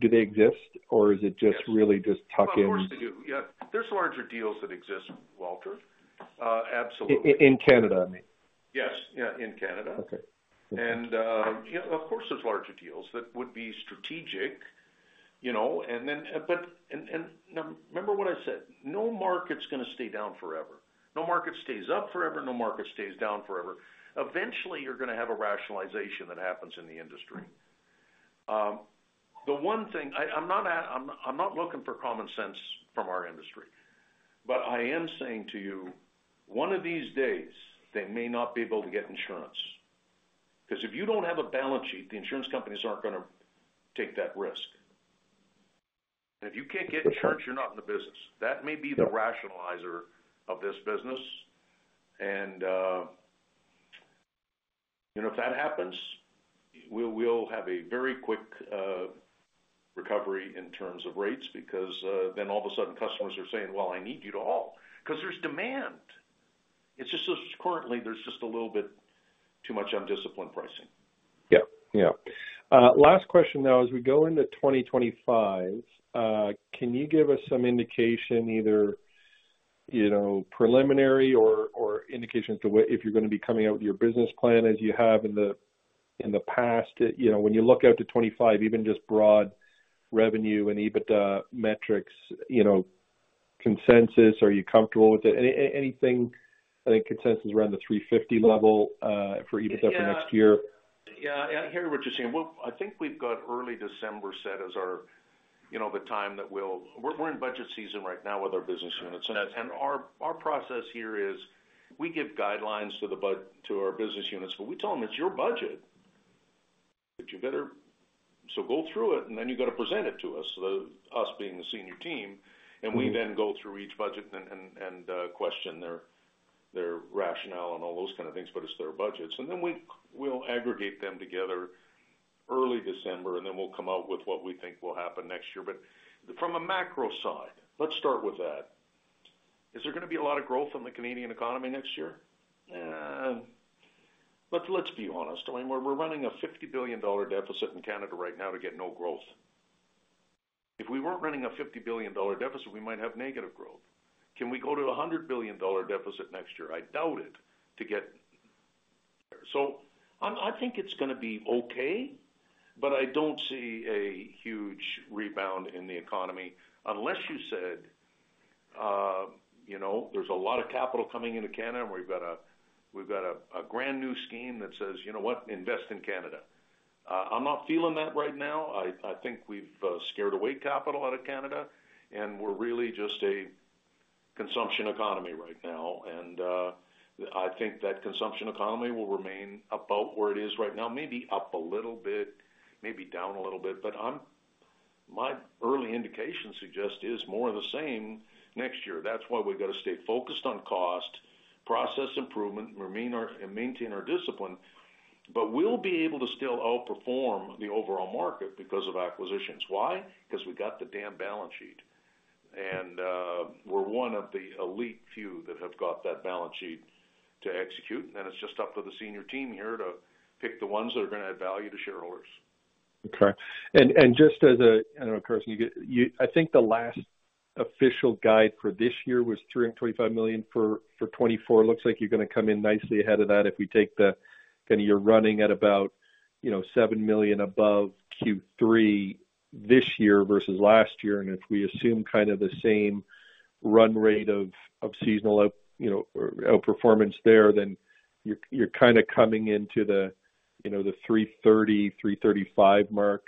do they exist, or is it just really just tuck in? Of course, they do. Yeah, there's larger deals that exist, Walter. Absolutely. In Canada, I mean. Yes. Yeah, in Canada. Okay. And you know, of course, there's larger deals that would be strategic, you know, and then, but and remember what I said, no market's gonna stay down forever. No market stays up forever, no market stays down forever. Eventually, you're gonna have a rationalization that happens in the industry. The one thing. I'm not looking for common sense from our industry, but I am saying to you, one of these days, they may not be able to get insurance. Because if you don't have a balance sheet, the insurance companies aren't gonna take that risk. And if you can't get insurance, you're not in the business. That may be the rationalizer of this business. And, you know, if that happens, we, we'll have a very quick recovery in terms of rates, because then all of a sudden, customers are saying, "Well, I need you to haul." Because there's demand. It's just that currently, there's just a little bit too much undisciplined pricing. Yeah. Yeah. Last question, now, as we go into 2025, can you give us some indication, either, you know, preliminary or indication as to whether if you're gonna be coming out with your business plan as you have in the past? You know, when you look out to 2025, even just broad revenue and EBITDA metrics, you know, consensus, are you comfortable with it? And anything, I think consensus is around the 350 million level for EBITDA for next year. Yeah. Yeah, I hear what you're saying, well, I think we've got early December set as our, you know, the time that we'll. We're in budget season right now with our business units. Our process here is, we give guidelines to the budget to our business units, but we tell them: It's your budget, but you better. So go through it, and then you've got to present it to us. So, us being the senior team. We then go through each budget and question their rationale and all those kind of things, but it's their budgets. Then we'll aggregate them together early December, and then we'll come out with what we think will happen next year. From a macro side, let's start with that. Is there gonna be a lot of growth in the Canadian economy next year? Let's be honest. I mean, we're running a 50 billion dollar deficit in Canada right now to get no growth. If we weren't running a 50 billion dollar deficit, we might have negative growth. Can we go to a 100 billion dollar deficit next year? I doubt it, to get. I think it's gonna be okay, but I don't see a huge rebound in the economy unless you said, you know, there's a lot of capital coming into Canada, and we've got a grand new scheme that says, "You know what? Invest in Canada." I'm not feeling that right now. I think we've scared away capital out of Canada, and we're really just a consumption economy right now. And I think that consumption economy will remain about where it is right now, maybe up a little bit, maybe down a little bit. But my early indications suggest is more of the same next year. That's why we've got to stay focused on cost, process improvement, remain our and maintain our discipline. But we'll be able to still outperform the overall market because of acquisitions. Why? Because we got the damn balance sheet, and we're one of the elite few that have got that balance sheet to execute, and it's just up to the senior team here to pick the ones that are gonna add value to shareholders. Okay. And just as a, I don't know, Carson. I think the last official guide for this year was 325 million for 2024. It looks like you're gonna come in nicely ahead of that if we take the, then you're running at about, you know, 7 million above Q3 this year versus last year. And if we assume kind of the same run rate of seasonal, you know, outperformance there, then you're kind of coming into the, you know, the 330 million-335 million mark.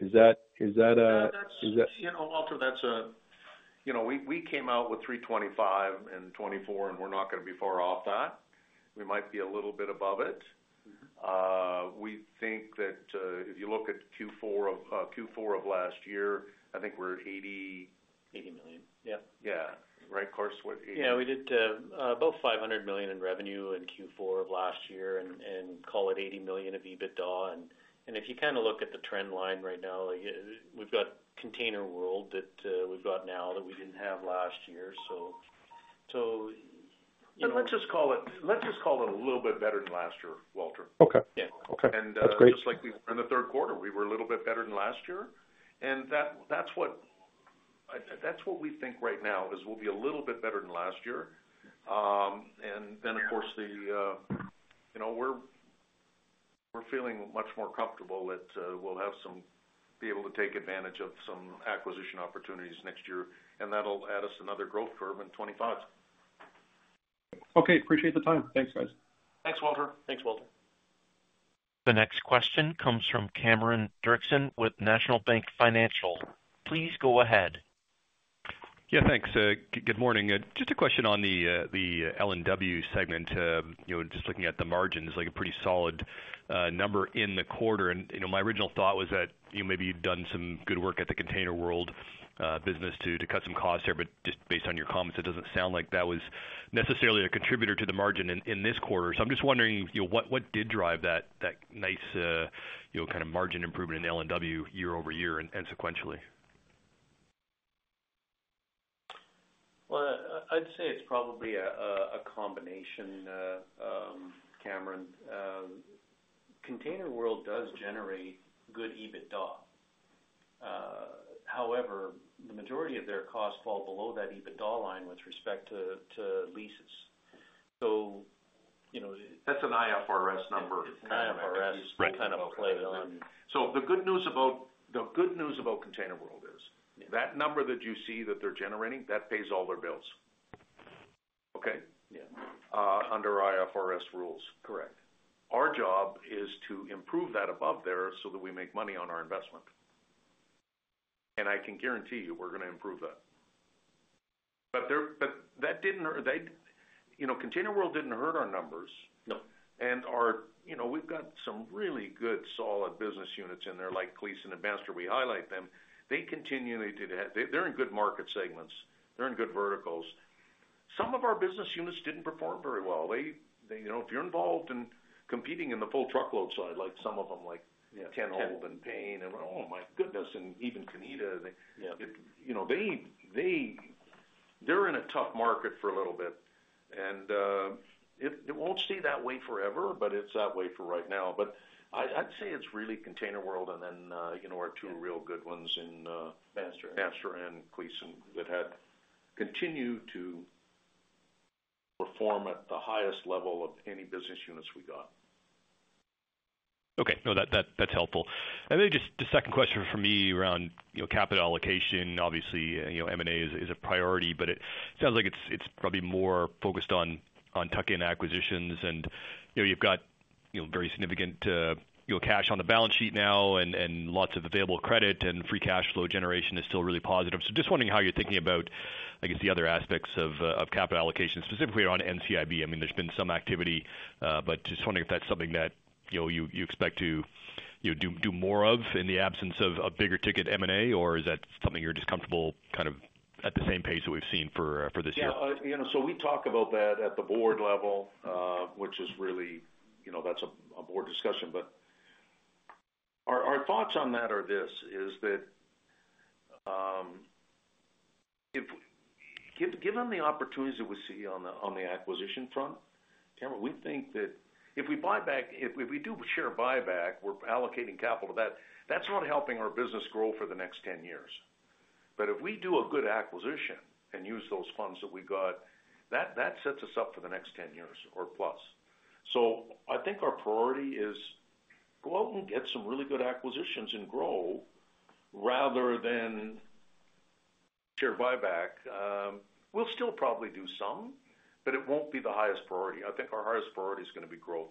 Is that, is that a. You know, Walter, that's. You know, we came out with 325 million in 2024, and we're not gonna be far off that. We might be a little bit above it. We think that if you look at Q4 of last year, I think we're 80 million. CAD 80 million, yep. Yeah. Right, Carson? What, CAD 80 million. Yeah, we did about 500 million in revenue in Q4 of last year and call it 80 million of EBITDA. And if you kind of look at the trend line right now, we've got ContainerWorld that we've got now that we didn't have last year. So, you know- But let's just call it a little bit better than last year, Walter. Okay. Yeah. Okay. That's great. Just like we were in the third quarter, we were a little bit better than last year. That, that's what, that's what we think right now, is we'll be a little bit better than last year. And then, of course, the, you know, we're feeling much more comfortable that, we'll have some be able to take advantage of some acquisition opportunities next year, and that'll add us another growth curve in 2025. Okay. Appreciate the time. Thanks, guys. Thanks, Walter. Thanks, Walter. The next question comes from Cameron Doerksen with National Bank Financial. Please go ahead. Yeah, thanks. Good morning. Just a question on the L&W segment. You know, just looking at the margins, like a pretty solid number in the quarter. And, you know, my original thought was that, you know, maybe you've done some good work at the ContainerWorld business to cut some costs there, but just based on your comments, it doesn't sound like that was necessarily a contributor to the margin in this quarter. So I'm just wondering, you know, what did drive that nice, you know, kind of margin improvement in L&W year-over-year and sequentially? Well, I'd say it's probably a combination, Cameron. ContainerWorld does generate good EBITDA. However, the majority of their costs fall below that EBITDA line with respect to leases, so you know- That's an IFRS number. An IFRS kind of a play on it. The good news about ContainerWorld is that number that you see that they're generating, that pays all their bills. Okay? Yeah. Under IFRS rules. Correct. Our job is to improve that above there so that we make money on our investment, and I can guarantee you, we're gonna improve that. But that didn't hurt. They, you know, ContainerWorld didn't hurt our numbers. No. And our, you know, we've got some really good, solid business units in there, like Kleysen and Bandstra. We highlight them. They continue to do that. They're in good market segments. They're in good verticals. Some of our business units didn't perform very well. You know, if you're involved in competing in the full truckload side, like some of them, like- Yeah. Tenold and Payne, and oh, my goodness, and even Caneda. Yeah. You know, they're in a tough market for a little bit, and it won't stay that way forever, but it's that way for right now. But I'd say it's really ContainerWorld, and then you know, our two real good ones in. Bandstra. Bandstra and Kleysen, that had continued to perform at the highest level of any business units we got. Okay. No, that that's helpful. And then just the second question for me around, you know, capital allocation. Obviously, you know, M&A is a priority, but it sounds like it's probably more focused on tuck-in acquisitions. And, you know, you've got very significant cash on the balance sheet now and lots of available credit, and free cash flow generation is still really positive. So just wondering how you're thinking about, I guess, the other aspects of capital allocation, specifically on NCIB. I mean, there's been some activity, but just wondering if that's something that, you know, you expect to do more of in the absence of a bigger ticket M&A, or is that something you're just comfortable kind of at the same pace that we've seen for this year? Yeah, you know, so we talk about that at the Board level, which is really, you know, that's a Board discussion. But our thoughts on that are this, is that, given the opportunities that we see on the acquisition front, Cameron, we think that if we buy back, if we do share buyback, we're allocating capital to that, that's not helping our business grow for the next 10 years. But if we do a good acquisition and use those funds that we got, that sets us up for the next 10 years or plus. So I think our priority is go out and get some really good acquisitions and grow, rather than share buyback. We'll still probably do some, but it won't be the highest priority. I think our highest priority is gonna be growth.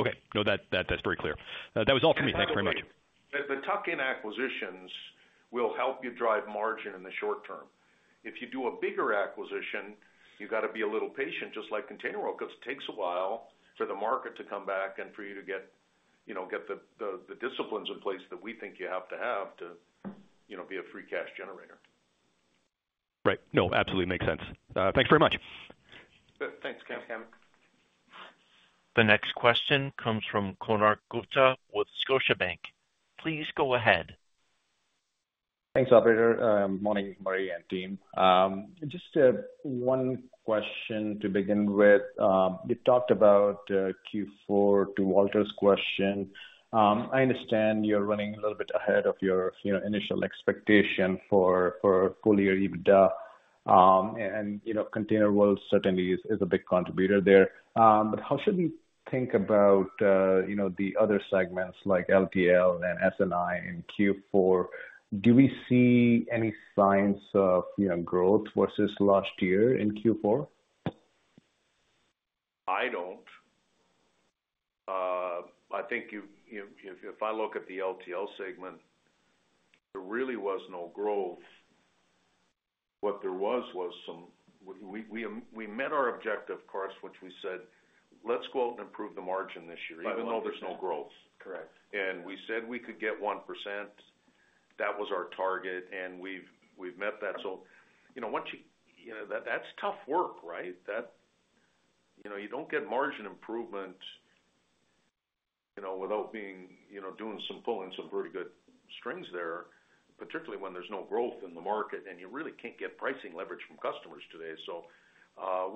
Okay. No, that, that's very clear. That was all for me. Thank you very much. The tuck-in acquisitions will help you drive margin in the short term. If you do a bigger acquisition, you've got to be a little patient, just like ContainerWorld, because it takes a while for the market to come back and for you to get, you know, the disciplines in place that we think you have to have to, you know, be a free cash generator. Right. No, absolutely makes sense. Thank you very much. Thanks, Cameron. The next question comes from Konark Gupta with Scotiabank. Please go ahead. Thanks, Operator. Morning, Murray and team. Just one question to begin with. You talked about Q4 to Walter's question. I understand you're running a little bit ahead of your, you know, initial expectation for full year EBITDA. And, you know, ContainerWorld certainly is a big contributor there. But how should we think about, you know, the other segments like LTL and S&I in Q4? Do we see any signs of, you know, growth versus last year in Q4? I don't. I think if I look at the LTL segment, there really was no growth. What there was, was some. We met our objective, of course, which we said, "Let's go out and improve the margin this year, even though there's no growth. Correct. We said we could get 1%. That was our target, and we've met that. So, you know, once you, you know, that's tough work, right? You know, you don't get margin improvement, you know, without doing some pulling some pretty good strings there, particularly when there's no growth in the market, and you really can't get pricing leverage from customers today. So,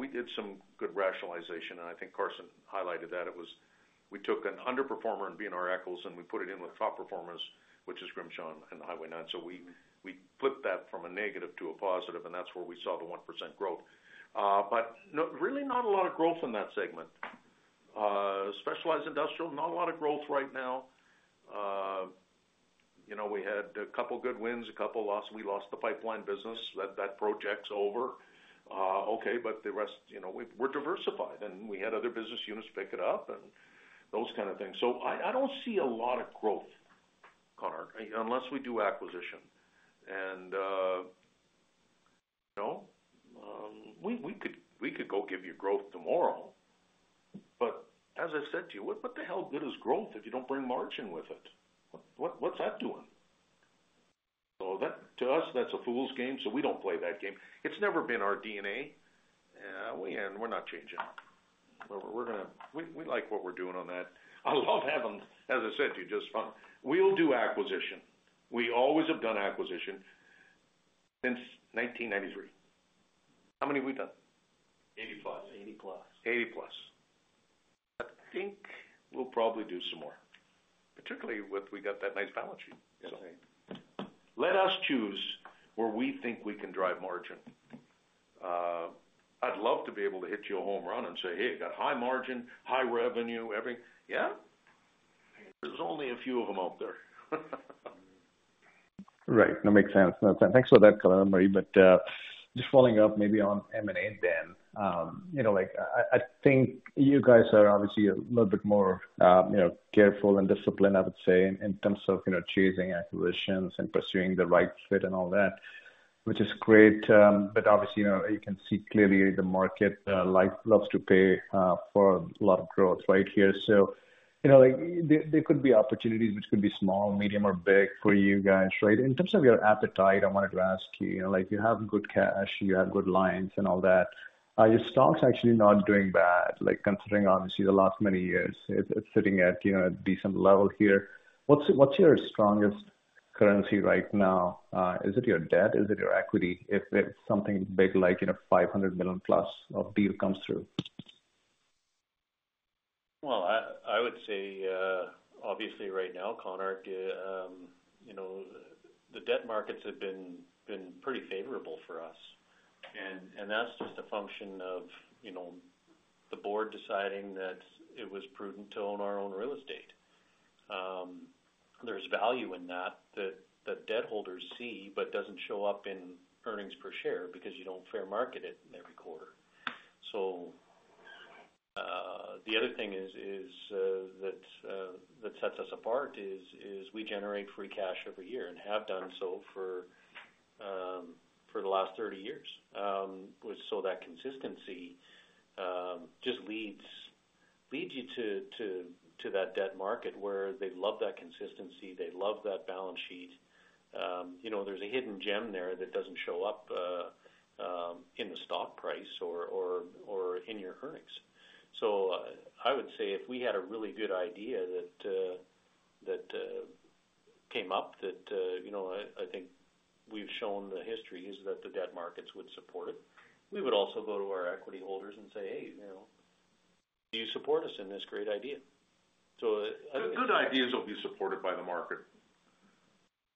we did some good rationalization, and I think Carson highlighted that. It was, we took an underperformer in B&R Eckel's, and we put it in with top performers, which is Grimshaw and Hi-Way 9. So we flipped that from a negative to a positive, and that's where we saw the 1% growth. But no, really not a lot of growth in that segment. Specialized industrial, not a lot of growth right now. You know, we had a couple of good wins, a couple losses. We lost the pipeline business. That project's over. Okay, but the rest, you know, we're diversified, and we had other business units pick it up and those kind of things. So I don't see a lot of growth, Konark, unless we do acquisition. And, you know, we could go give you growth tomorrow, but as I said to you, what the hell good is growth if you don't bring margin with it? What, what's that doing? So that, to us, that's a fool's game, so we don't play that game. It's never been our DNA. And we're not changing. We're gonna. We like what we're doing on that. I love having, as I said to you, just fun. We'll do acquisition. We always have done acquisition since 1993. How many have we done? 80+. 80+. 80+. I think we'll probably do some more, particularly with we got that nice balance sheet. So let us choose where we think we can drive margin. I'd love to be able to hit you a home run and say, "Hey, you got high margin, high revenue, everything." Yeah? There's only a few of them out there. Right. That makes sense. No, thanks for that colour Murray. But just following up, maybe on M&A then. You know, like, I think you guys are obviously a little bit more, you know, careful and disciplined, I would say, in terms of, you know, choosing acquisitions and pursuing the right fit and all that, which is great. But obviously, you know, you can see clearly the market like loves to pay for a lot of growth right here. So, you know, like there could be opportunities which could be small, medium, or big for you guys, right? In terms of your appetite, I wanted to ask you, you know, like, you have good cash, you have good lines and all that. Your stock's actually not doing bad, like, considering obviously the last many years. It's sitting at, you know, a decent level here. What's your strongest currency right now? Is it your debt? Is it your equity? If it's something big, like, you know, 500+ million of deal comes through. I would say obviously right now, Konark, you know, the debt markets have been pretty favorable for us. That's just a function of, you know, the Board deciding that it was prudent to own our own real estate. There's value in that that debt holders see, but doesn't show up in earnings per share because you don't fair market it every quarter. The other thing that sets us apart is we generate free cash every year and have done so for the last 30 years. That consistency just leads you to that debt market where they love that consistency, they love that balance sheet. You know, there's a hidden gem there that doesn't show up in the stock price or in your earnings. So I would say if we had a really good idea that came up that you know, I think we've shown the histories that the debt markets would support it. We would also go to our equity holders and say, "Hey, you know, do you support us in this great idea?" So. Good ideas will be supported by the market,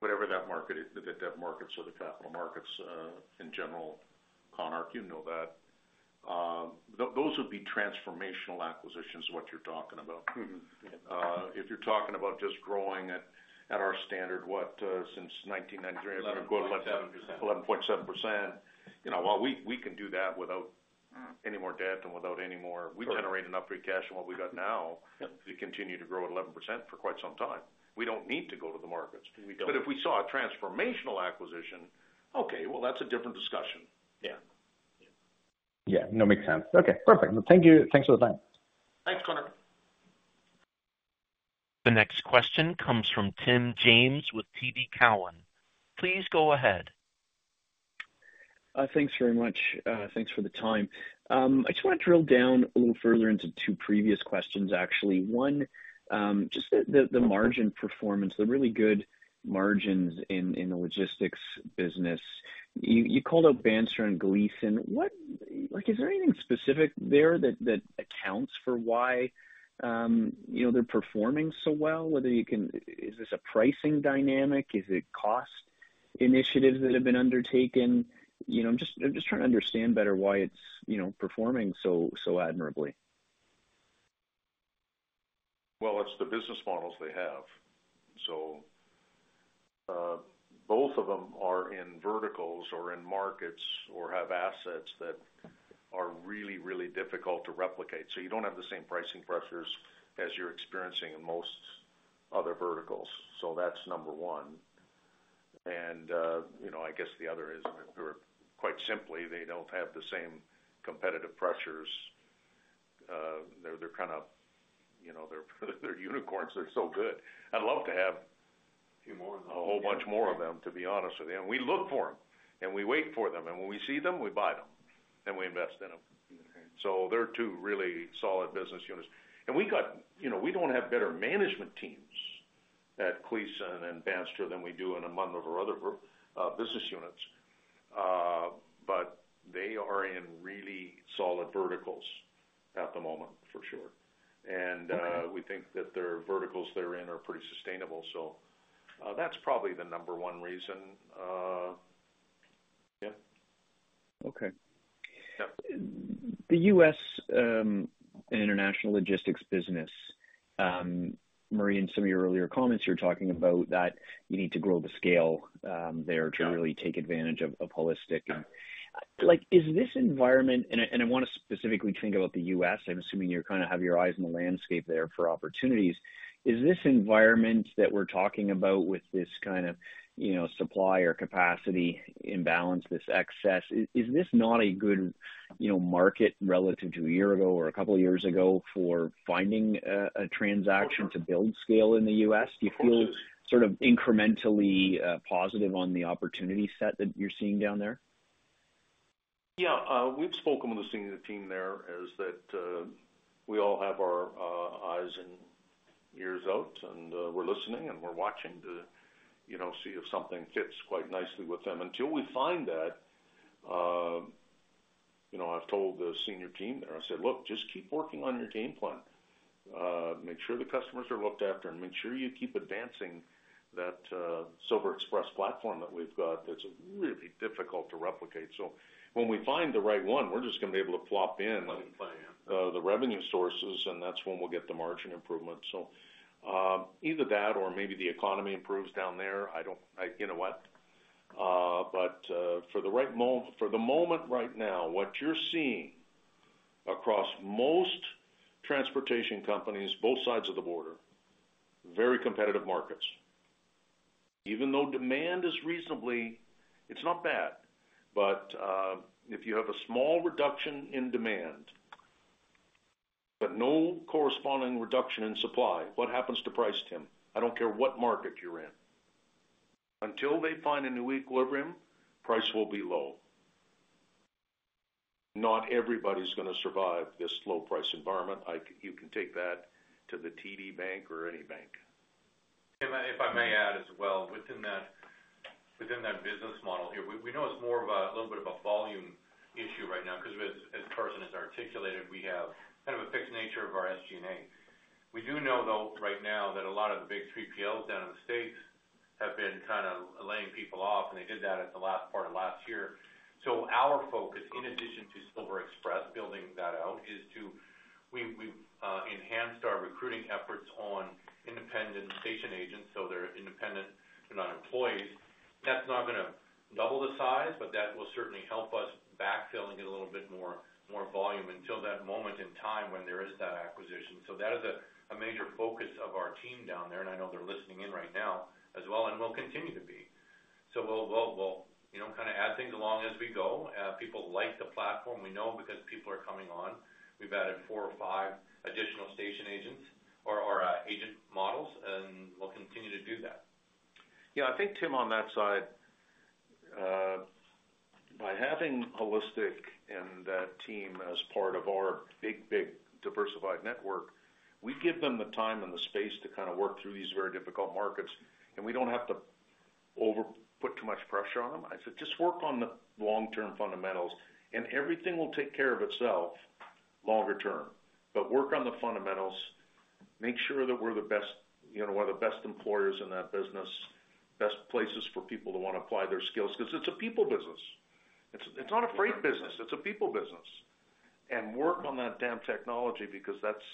whatever that market is, the debt markets or the capital markets, in general, Konark, you know that. Those would be transformational acquisitions, what you're talking about. If you're talking about just growing at our standard since 1993, I'm gonna go with- 11.7%. 11.7%. You know, well, we can do that without any more debt and without any more. We generate enough free cash than what we got now- Yep. To continue to grow at 11% for quite some time. We don't need to go to the markets. We don't. But if we saw a transformational acquisition, okay, well, that's a different discussion. Yeah. Yeah, no, makes sense. Okay, perfect. Thank you. Thanks for the time. Thanks, Konark. The next question comes from Tim James with TD Cowen. Please go ahead. Thanks very much. Thanks for the time. I just want to drill down a little further into two previous questions, actually. One, just the margin performance, the really good margins in the logistics business. You called out Bandstra and Kleysen. What, like, is there anything specific there that accounts for why, you know, they're performing so well? Is this a pricing dynamic? Is it cost initiatives that have been undertaken? You know, I'm just trying to understand better why it's, you know, performing so admirably. It's the business models they have. Both of them are in verticals or in markets, or have assets that are really, really difficult to replicate. That's number one. You know, I guess the other is that they were quite simply, they don't have the same competitive pressures. They're, they're kind of, you know, they're, they're unicorns, they're so good. I'd love to have- Few more of them. A whole bunch more of them, to be honest with you. And we look for them, and we wait for them, and when we see them, we buy them, and we invest in them. So they're two really solid business units. And we got you know, we don't have better management teams at Kleysen and Bandstra than we do in any of our other business units. But they are in really solid verticals at the moment, for sure. Okay. And, we think that their verticals they're in are pretty sustainable, so, that's probably the number one reason, yeah. Okay. Yeah. The U.S. International Logistics Business, Murray, in some of your earlier comments. You're talking about that you need to grow the scale, there to really take advantage of HAUListic. Yeah. Like, is this environment, and I want to specifically think about the U.S. I'm assuming you kind of have your eyes on the landscape there for opportunities. Is this environment that we're talking about with this kind of, you know, supply or capacity imbalance, this excess. Is this not a good, you know, market relative to a year ago or a couple of years ago for finding a transaction to build scale in the U.S.? Of course it is. Do you feel sort of incrementally positive on the opportunity set that you're seeing down there? Yeah, we've spoken with the senior team there, and that we all have our eyes and ears out, and we're listening, and we're watching to, you know, see if something fits quite nicely with them. Until we find that, you know, I've told the senior team there, I said: "Look, just keep working on your game plan. Make sure the customers are looked after, and make sure you keep advancing that SilverExpress platform that we've got, that's really difficult to replicate." So when we find the right one, we're just gonna be able to plop in the revenue sources, and that's when we'll get the margin improvement. So either that or maybe the economy improves down there. I don't, you know what? But for the moment right now, what you're seeing across most transportation companies, both sides of the border, very competitive markets. Even though demand is reasonably. It's not bad, but if you have a small reduction in demand, but no corresponding reduction in supply, what happens to price, Tim? I don't care what market you're in. Until they find a new equilibrium, price will be low. Not everybody's gonna survive this low-price environment. You can take that to the TD Bank or any bank. If I may add as well, within that business model here, we know it's more of a little bit of a volume issue right now because as Carson has articulated, we have kind of a fixed nature of our SG&A. We do know, though, right now that a lot of the big 3PLs down in the States have been kind of laying people off, and they did that at the last part of last year. So our focus, in addition to SilverExpress, building that out, is to, we enhanced our recruiting efforts on independent station agents, so they're independent, they're not employees. That's not gonna double the size, but that will certainly help us backfill and get a little bit more volume until that moment in time when there is that acquisition. So that is a major focus of our team down there, and I know they're listening in right now as well, and will continue to be. So we'll, you know, kind of add things along as we go. People like the platform. We know because people are coming on. We've added four or five additional station agents or agent models, and we'll continue to do that. Yeah, I think, Tim, on that side, by having HAUListic and that team as part of our big, big diversified network, we give them the time and the space to kind of work through these very difficult markets, and we don't have to put too much pressure on them. I said, "Just work on the long-term fundamentals, and everything will take care of itself longer term. But work on the fundamentals. Make sure that we're the best, you know, we're the best employers in that business, best places for people to want to apply their skills," because it's a people business. It's, it's not a freight business, it's a people business. "And work on that damn technology, because that's,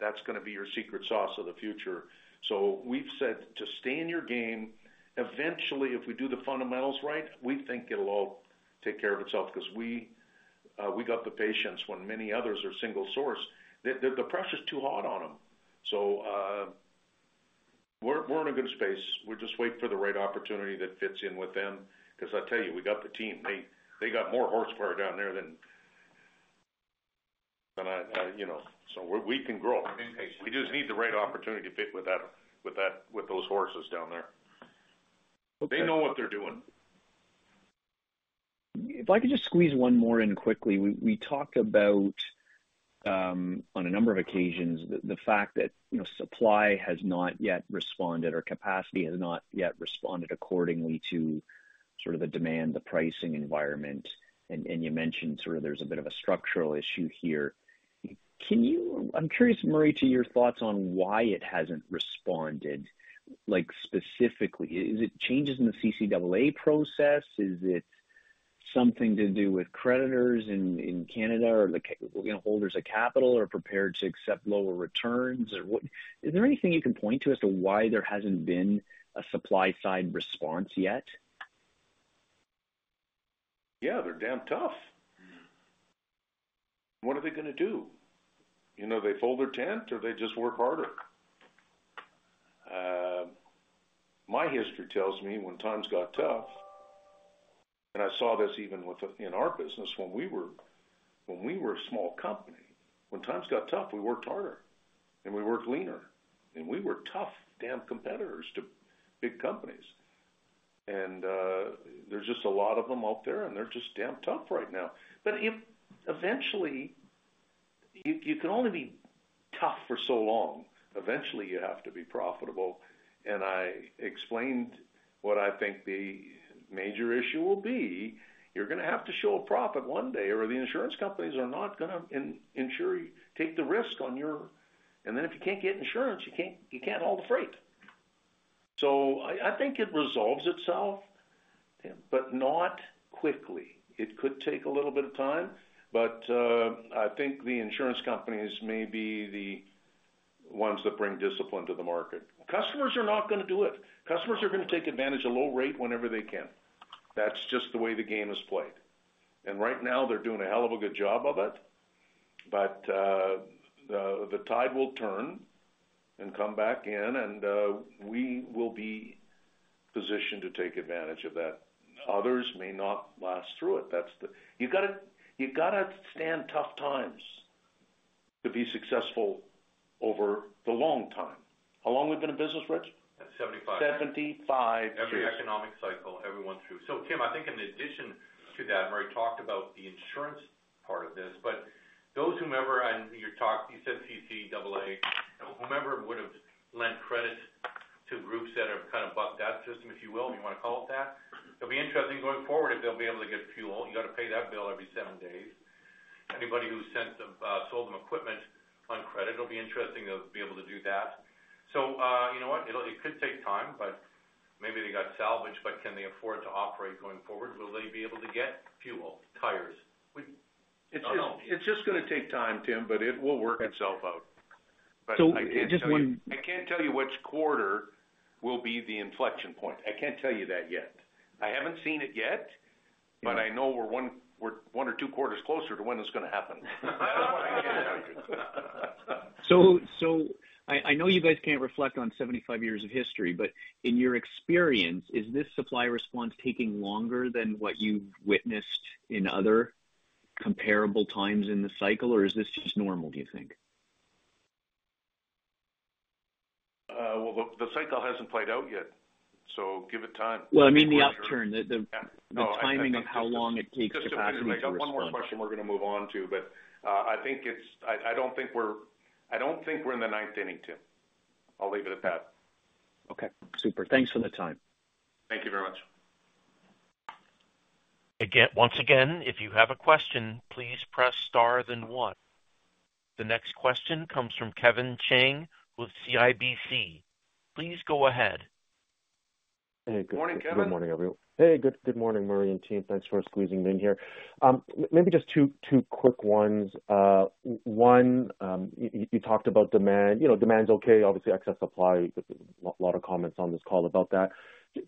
that's gonna be your secret sauce of the future." So we've said to stay in your game. Eventually, if we do the fundamentals right, we think it'll all take care of itself because we got the patience when many others are single source. The pressure's too hot on them. So, we're in a good space. We're just waiting for the right opportunity that fits in with them, because I tell you, we got the team. They got more horsepower down there than I, you know. So we can grow. I'm impatient. We just need the right opportunity to fit with that, with those horses down there. They know what they're doing. If I could just squeeze one more in quickly. We talked about on a number of occasions the fact that, you know, supply has not yet responded or capacity has not yet responded accordingly to sort of the demand, the pricing environment. And you mentioned sort of there's a bit of a structural issue here. Can you? I'm curious, Murray, to your thoughts on why it hasn't responded, like, specifically. Is it changes in the CCAA process? Is it something to do with creditors in Canada, or, you know, holders of capital are prepared to accept lower returns? Or what is there anything you can point to as to why there hasn't been a supply-side response yet? Yeah, they're damn tough. What are they gonna do? You know, they fold their tent or they just work harder. My history tells me when times got tough, and I saw this even with, in our business, when we were a small company, when times got tough, we worked harder, and we worked leaner, and we were tough damn competitors to big companies. And there's just a lot of them out there, and they're just damn tough right now. But if eventually, you can only be tough for so long. Eventually, you have to be profitable, and I explained what I think the major issue will be. You're gonna have to show a profit one day, or the insurance companies are not gonna insure you, take the risk on your--. And then if you can't get insurance, you can't haul the freight. So I think it resolves itself, but not quickly. It could take a little bit of time, but I think the insurance companies may be the ones that bring discipline to the market. Customers are not gonna do it. Customers are gonna take advantage of low rate whenever they can. That's just the way the game is played. And right now, they're doing a hell of a good job of it, but the tide will turn and come back in, and we will be positioned to take advantage of that. Others may not last through it. That's the, you gotta stand tough times, to be successful over the long time. How long we've been in business, Rich? 75 years 75 years. Every economic cycle, everyone through. So Tim, I think in addition to that, Murray talked about the insurance part of this, but those whomever, and you talked, you said CCAA, whomever would have lent credit to groups that have kind of bucked that system, if you will, you want to call it that? It'll be interesting going forward, if they'll be able to get fuel. You got to pay that bill every seven days. Anybody who sent them, sold them equipment on credit, it'll be interesting to be able to do that. So, you know what? It could take time, but maybe they got salvaged, but can they afford to operate going forward? Will they be able to get fuel, tires? It's just, it's just gonna take time, Tim, but it will work itself out. So just when- I can't tell you which quarter will be the inflection point. I can't tell you that yet. I haven't seen it yet, but I know we're one or two quarters closer to when it's gonna happen. I don't know. I can't tell you. So, I know you guys can't reflect on 75 years of history, but in your experience, is this supply response taking longer than what you've witnessed in other comparable times in the cycle, or is this just normal, do you think? Well, the cycle hasn't played out yet, so give it time. Well, I mean, the upturn, the timing of how long it takes for capacity to respond. I got one more question we're going to move on to, but I don't think we're in the ninth inning, Tim. I'll leave it at that. Okay, super. Thanks for the time. Thank you very much. Again, once again, if you have a question, please press star then one. The next question comes from Kevin Chiang with CIBC. Please go ahead. Good morning, Kevin. Good morning, everyone. Hey, good morning, Murray and team. Thanks for squeezing me in here. Maybe just two quick ones. One, you talked about demand. You know, demand's okay, obviously, excess supply. A lot of comments on this call about that.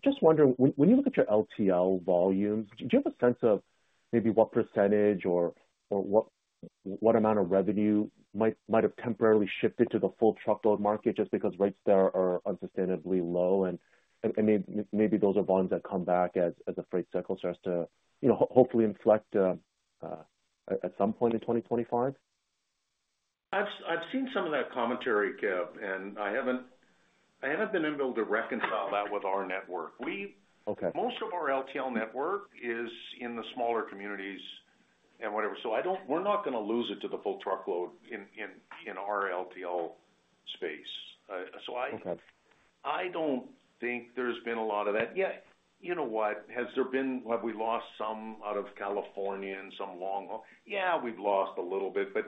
Just wondering, when you look at your LTL volumes, do you have a sense of maybe what percentage or what amount of revenue might have temporarily shifted to the full truckload market just because rates there are unsustainably low, and maybe those are volumes that come back as the freight cycle starts to, you know, hopefully inflect at some point in 2025? I've seen some of that commentary, Kev, and I haven't been able to reconcile that with our network. We- Okay. Most of our LTL network is in the smaller communities and whatever, so I don't. We're not gonna lose it to the full truckload in our LTL space. So I- Okay. I don't think there's been a lot of that. Yeah, you know what? Has there been, have we lost some out of California and some long haul? Yeah, we've lost a little bit, but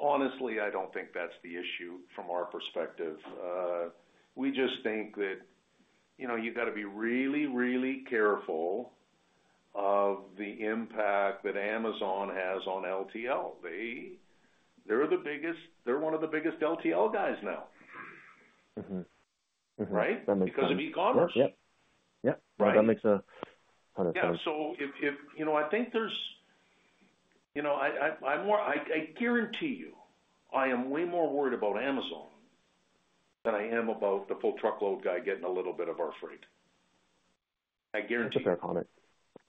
honestly, I don't think that's the issue from our perspective. We just think that, you know, you've got to be really, really careful of the impact that Amazon has on LTL. They, they're the biggest, they're one of the biggest LTL guys now. Right? That makes sense. Because of e-commerce. Yep. Yep. Right. That makes 100%. Yeah. So if you know, I think there's, you know, I guarantee you, I am way more worried about Amazon than I am about the full truckload guy getting a little bit of our freight. I guarantee it. That's a fair comment.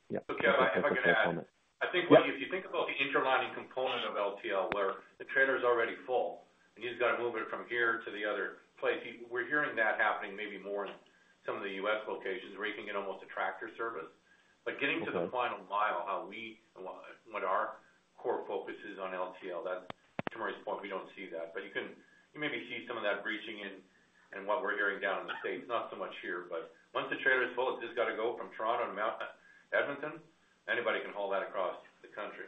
Yep. Okay, if I could add. Yep. I think if you think about the interlining component of LTL, where the trailer's already full and you've got to move it from here to the other place, we're hearing that happening maybe more in some of the U.S. locations, where you can get almost a tractor service. Okay. But getting to the final mile, how we, what our core focus is on LTL, that's to Murray's point, we don't see that. But you can maybe see some of that breaching in, in what we're hearing down in the States, not so much here, but once the trailer is full, it's just got to go from Toronto to Edmonton. Anybody can haul that across the country.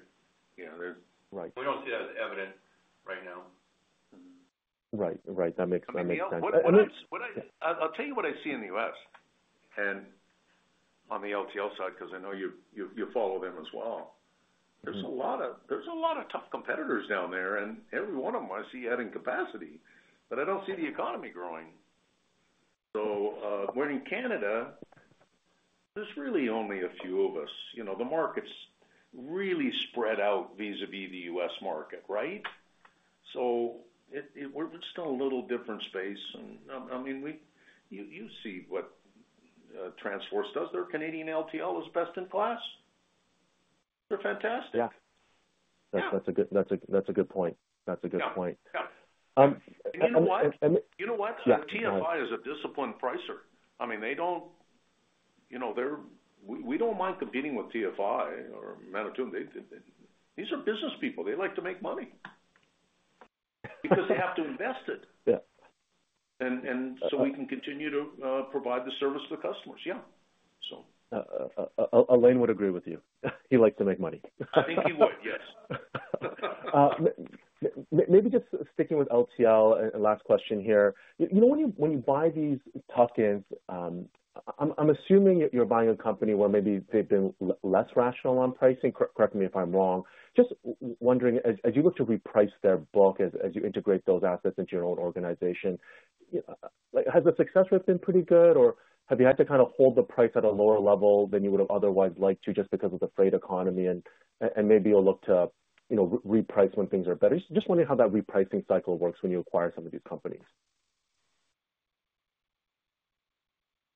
You know, there's, we don't see that as evident right now. Right. Right. That makes sense. I'll tell you what I see in the U.S., and on the LTL side, because I know you follow them as well. There's a lot of tough competitors down there, and every one of them I see adding capacity, but I don't see the economy growing. So, we're in Canada, there's really only a few of us. You know, the market's really spread out vis-a-vis the U.S. market, right? So, it's a little different space. And, I mean, we - you see what TransForce does. Their Canadian LTL is best-in-class. They're fantastic. Yeah. Yeah. That's a good point. That's a good point. You know what? TFI is a disciplined pricer. I mean, they don't, you know, they're - we, we don't mind competing with TFI or Manitoulin. These are business people. They like to make money - because they have to invest it. Yeah. And so we can continue to provide the service to the customers. Yeah, so. Alain would agree with you. He likes to make money. I think he would, yes. Maybe just sticking with LTL, last question here. You know, when you buy these tuck-ins, I'm assuming you're buying a company where maybe they've been less rational on pricing. Correct me if I'm wrong. Just wondering, as you look to reprice their book, as you integrate those assets into your own organization, like, has the success rate been pretty good, or have you had to kind of hold the price at a lower level than you would have otherwise liked to, just because of the freight economy and maybe you'll look to, you know, reprice when things are better? Just wondering how that repricing cycle works when you acquire some of these companies.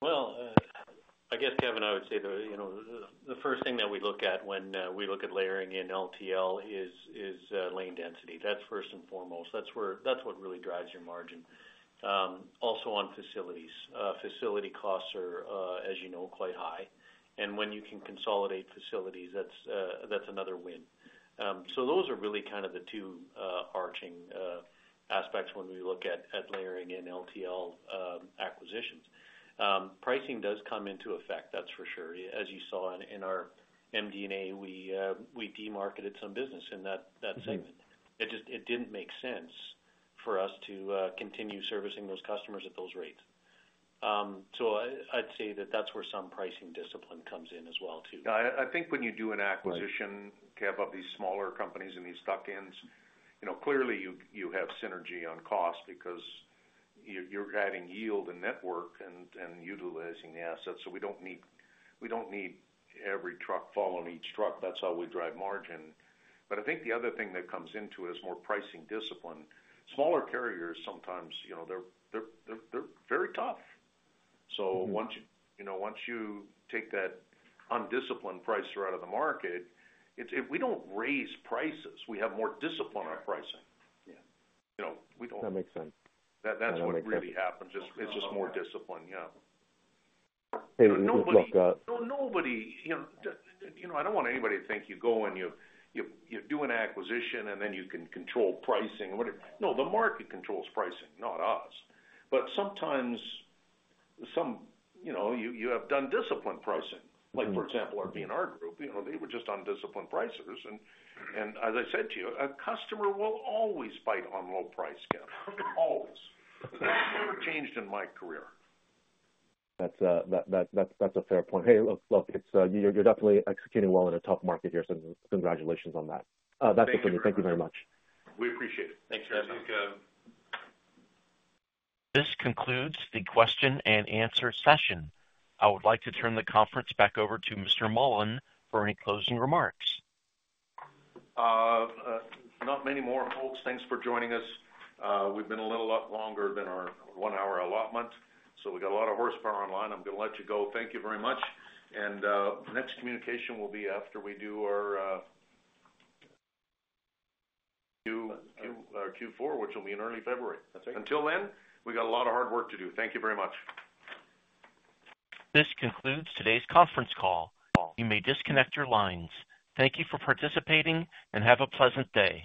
I guess, Kevin, I would say the, you know, the first thing that we look at when we look at layering in LTL is lane density. That's first and foremost. That's where that's what really drives your margin. Also on facilities. Facility costs are, as you know, quite high. And when you can consolidate facilities, that's that's another win. So those are really kind of the two overarching aspects when we look at layering in LTL acquisitions. Pricing does come into effect, that's for sure. As you saw in our MD&A, we demarketed some business in that segment. It just, it didn't make sense for us to continue servicing those customers at those rates. So I'd say that that's where some pricing discipline comes in as well, too. Yeah, I think when you do an acquisition of these smaller companies and these tuck-ins, you know, clearly, you have synergy on cost because you're adding yield and network and utilizing the assets. So we don't need every truck following each truck. That's how we drive margin. But I think the other thing that comes into it is more pricing discipline. Smaller carriers, sometimes, you know, they're very tough. So once, you know, once you take that undisciplined pricer out of the market, it's. We don't raise prices. We have more discipline on pricing. Yeah. You know, we don't- That makes sense. That, that's what really happens. It's just more discipline, yeah. No, nobody, you know. You know, I don't want anybody to think you go and you do an acquisition, and then you can control pricing, whatever. No, the market controls pricing, not us. But sometimes, you know, you have done disciplined pricing. Like, for example, our B&R Group, you know, they were just undisciplined pricers, and, and as I said to you, a customer will always fight on low price, Kev, always. That's never changed in my career. That's a fair point. Hey, look, it's, you're definitely executing well in a tough market here, so congratulations on that. That's it for me. Thank you very much. We appreciate it. Thanks, Kev. This concludes the question and answer session. I would like to turn the conference back over to Mr. Mullen for any closing remarks. Not many more folks. Thanks for joining us. We've been a whole lot longer than our one-hour allotment, so we got a lot of horsepower online. I'm going to let you go. Thank you very much. Next communication will be after we do our Q4, which will be in early February. Until then, we got a lot of hard work to do. Thank you very much. This concludes today's conference call. You may disconnect your lines. Thank you for participating, and have a pleasant day.